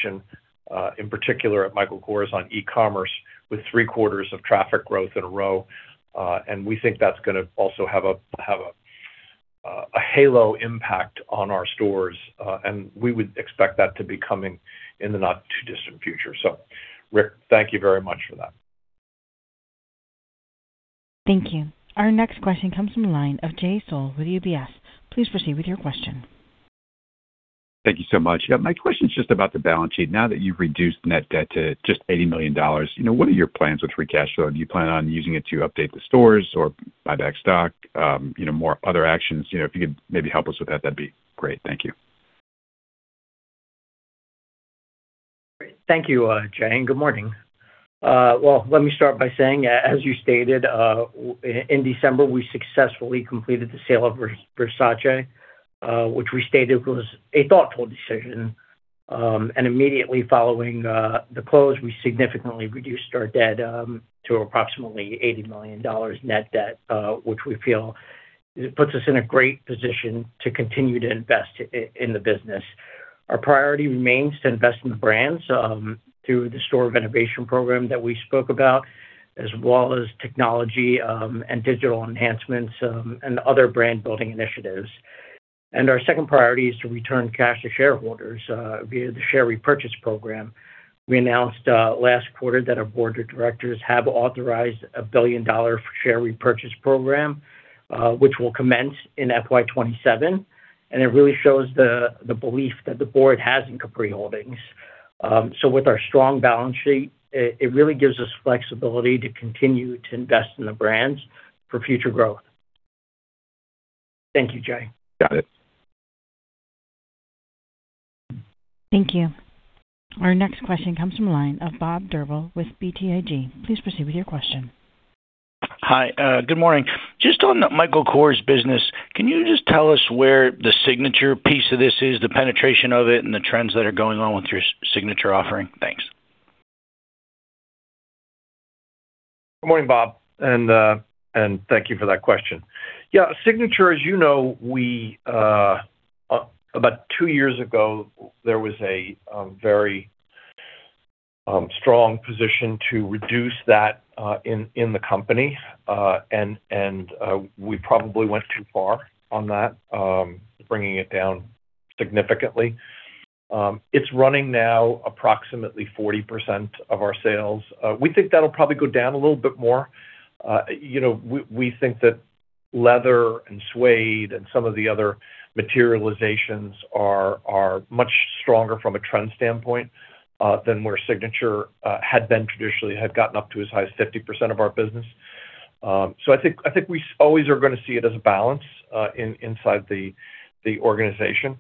S3: in particular at Michael Kors on e-commerce, with three quarters of traffic growth in a row. And we think that's gonna also have a halo impact on our stores, and we would expect that to be coming in the not too distant future. So, Rick, thank you very much for that.
S1: Thank you. Our next question comes from the line of Jay Sole with UBS. Please proceed with your question.
S12: Thank you so much. Yeah, my question is just about the balance sheet. Now that you've reduced net debt to just $80 million, you know, what are your plans with free cash flow? Do you plan on using it to update the stores or buy back stock? You know, more other actions, you know, if you could maybe help us with that, that'd be great. Thank you. ...
S4: Thank you, Jay, and good morning. Well, let me start by saying, as you stated, in December, we successfully completed the sale of Versace, which we stated was a thoughtful decision. And immediately following the close, we significantly reduced our debt to approximately $80 million net debt, which we feel puts us in a great position to continue to invest in the business. Our priority remains to invest in the brands through the store renovation program that we spoke about, as well as technology and digital enhancements and other brand-building initiatives. And our second priority is to return cash to shareholders via the share repurchase program. We announced last quarter that our Board of Directors have authorized a billion-dollar share repurchase program, which will commence in FY 2027, and it really shows the belief that the board has in Capri Holdings. So with our strong balance sheet, it really gives us flexibility to continue to invest in the brands for future growth. Thank you, Jay.
S12: Got it.
S1: Thank you. Our next question comes from line of Bob Drbul with BTIG. Please proceed with your question.
S13: Hi, good morning. Just on the Michael Kors business, can you just tell us where the signature piece of this is, the penetration of it, and the trends that are going on with your signature offering? Thanks.
S3: Good morning, Bob, and thank you for that question. Yeah, signature, as you know, we... About two years ago, there was a very strong position to reduce that in the company, and we probably went too far on that, bringing it down significantly. It's running now approximately 40% of our sales. We think that'll probably go down a little bit more. You know, we think that leather and suede and some of the other materializations are much stronger from a trend standpoint than where signature had been traditionally, had gotten up to as high as 50% of our business. So I think we always are gonna see it as a balance inside the organization.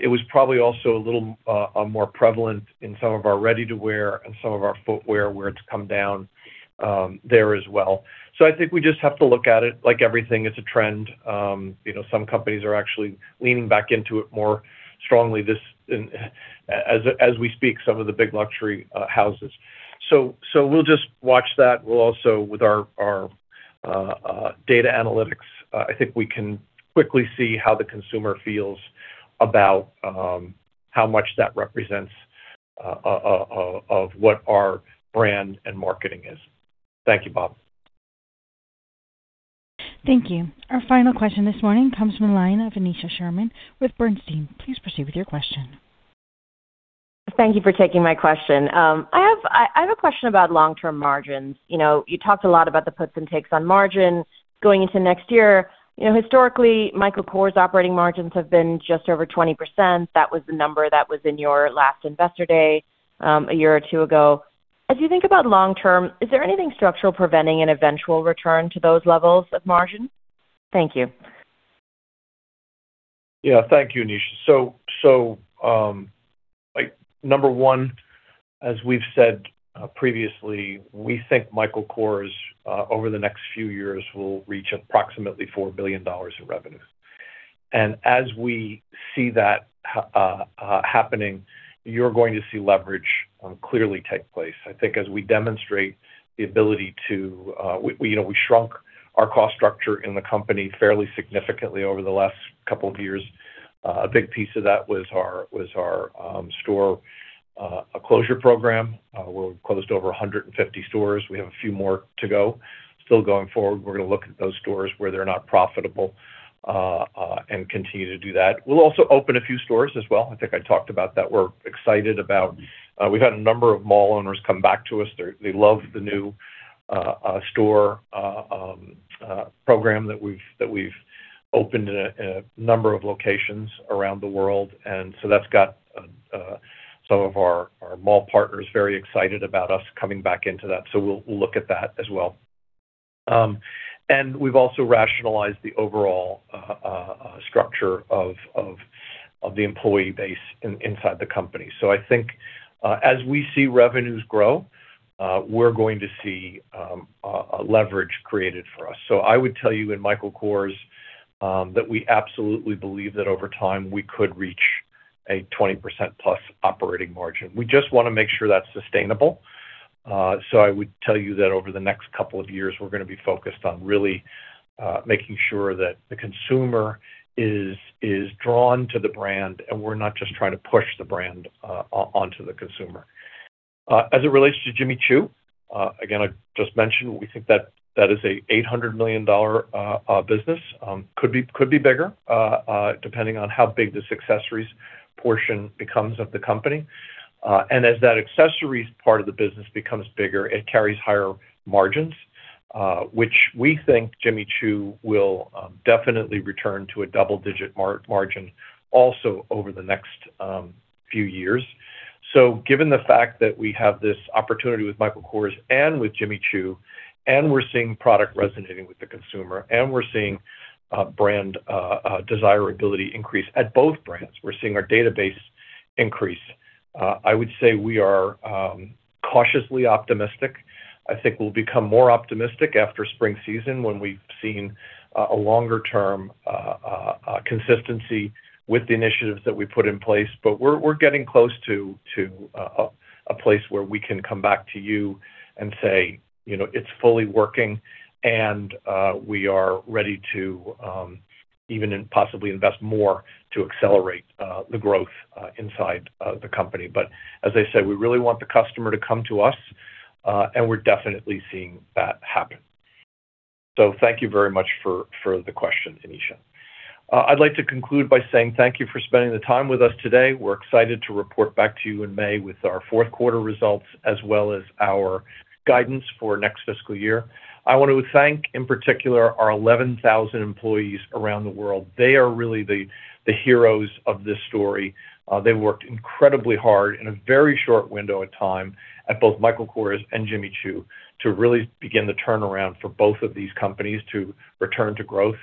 S3: It was probably also a little more prevalent in some of our ready-to-wear and some of our footwear, where it's come down there as well. So I think we just have to look at it like everything, it's a trend. You know, some companies are actually leaning back into it more strongly this, and as we speak, some of the big luxury houses. So we'll just watch that. We'll also, with our data analytics, I think we can quickly see how the consumer feels about how much that represents of what our brand and marketing is. Thank you, Bob.
S1: Thank you. Our final question this morning comes from the line of Aneesha Sherman with Bernstein. Please proceed with your question.
S14: Thank you for taking my question. I have a question about long-term margins. You know, you talked a lot about the puts and takes on margin going into next year. You know, historically, Michael Kors operating margins have been just over 20%. That was the number that was in your last investor day, a year or two ago. As you think about long term, is there anything structural preventing an eventual return to those levels of margin? Thank you.
S3: Yeah. Thank you, Aneesha. Like, number one, as we've said, previously, we think Michael Kors over the next few years will reach approximately $4 billion in revenue. And as we see that happening, you're going to see leverage clearly take place. I think as we demonstrate the ability to. We, you know, we shrunk our cost structure in the company fairly significantly over the last couple of years. A big piece of that was our store closure program, where we closed over 150 stores. We have a few more to go. Still going forward, we're gonna look at those stores where they're not profitable and continue to do that. We'll also open a few stores as well. I think I talked about that. We're excited about, we've had a number of mall owners come back to us. They, they love the new store program that we've opened in a number of locations around the world, and so that's got some of our mall partners very excited about us coming back into that, so we'll look at that as well. And we've also rationalized the overall structure of the employee base inside the company. So I think as we see revenues grow, we're going to see a leverage created for us. So I would tell you in Michael Kors that we absolutely believe that over time, we could reach a 20%+ operating margin. We just wanna make sure that's sustainable. So I would tell you that over the next couple of years, we're gonna be focused on really making sure that the consumer is drawn to the brand, and we're not just trying to push the brand onto the consumer. As it relates to Jimmy Choo, again, I just mentioned we think that that is a $800 million business. Could be, could be bigger, depending on how big this accessories portion becomes of the company. And as that accessories part of the business becomes bigger, it carries higher margins, which we think Jimmy Choo will definitely return to a double-digit margin also over the next few years. So given the fact that we have this opportunity with Michael Kors and with Jimmy Choo, and we're seeing product resonating with the consumer, and we're seeing brand desirability increase at both brands, we're seeing our database increase. I would say we are cautiously optimistic. I think we'll become more optimistic after spring season, when we've seen a longer-term consistency with the initiatives that we put in place. But we're getting close to a place where we can come back to you and say, "You know, it's fully working, and we are ready to even possibly invest more to accelerate the growth inside the company." But as I said, we really want the customer to come to us, and we're definitely seeing that happen. So thank you very much for the question, Aneesha. I'd like to conclude by saying thank you for spending the time with us today. We're excited to report back to you in May with our fourth quarter results, as well as our guidance for next fiscal year. I want to thank, in particular, our 11,000 employees around the world. They are really the heroes of this story. They worked incredibly hard in a very short window of time at both Michael Kors and Jimmy Choo, to really begin the turnaround for both of these companies to return to growth,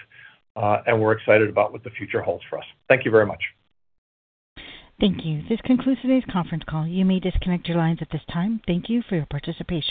S3: and we're excited about what the future holds for us. Thank you very much.
S1: Thank you. This concludes today's conference call. You may disconnect your lines at this time. Thank you for your participation.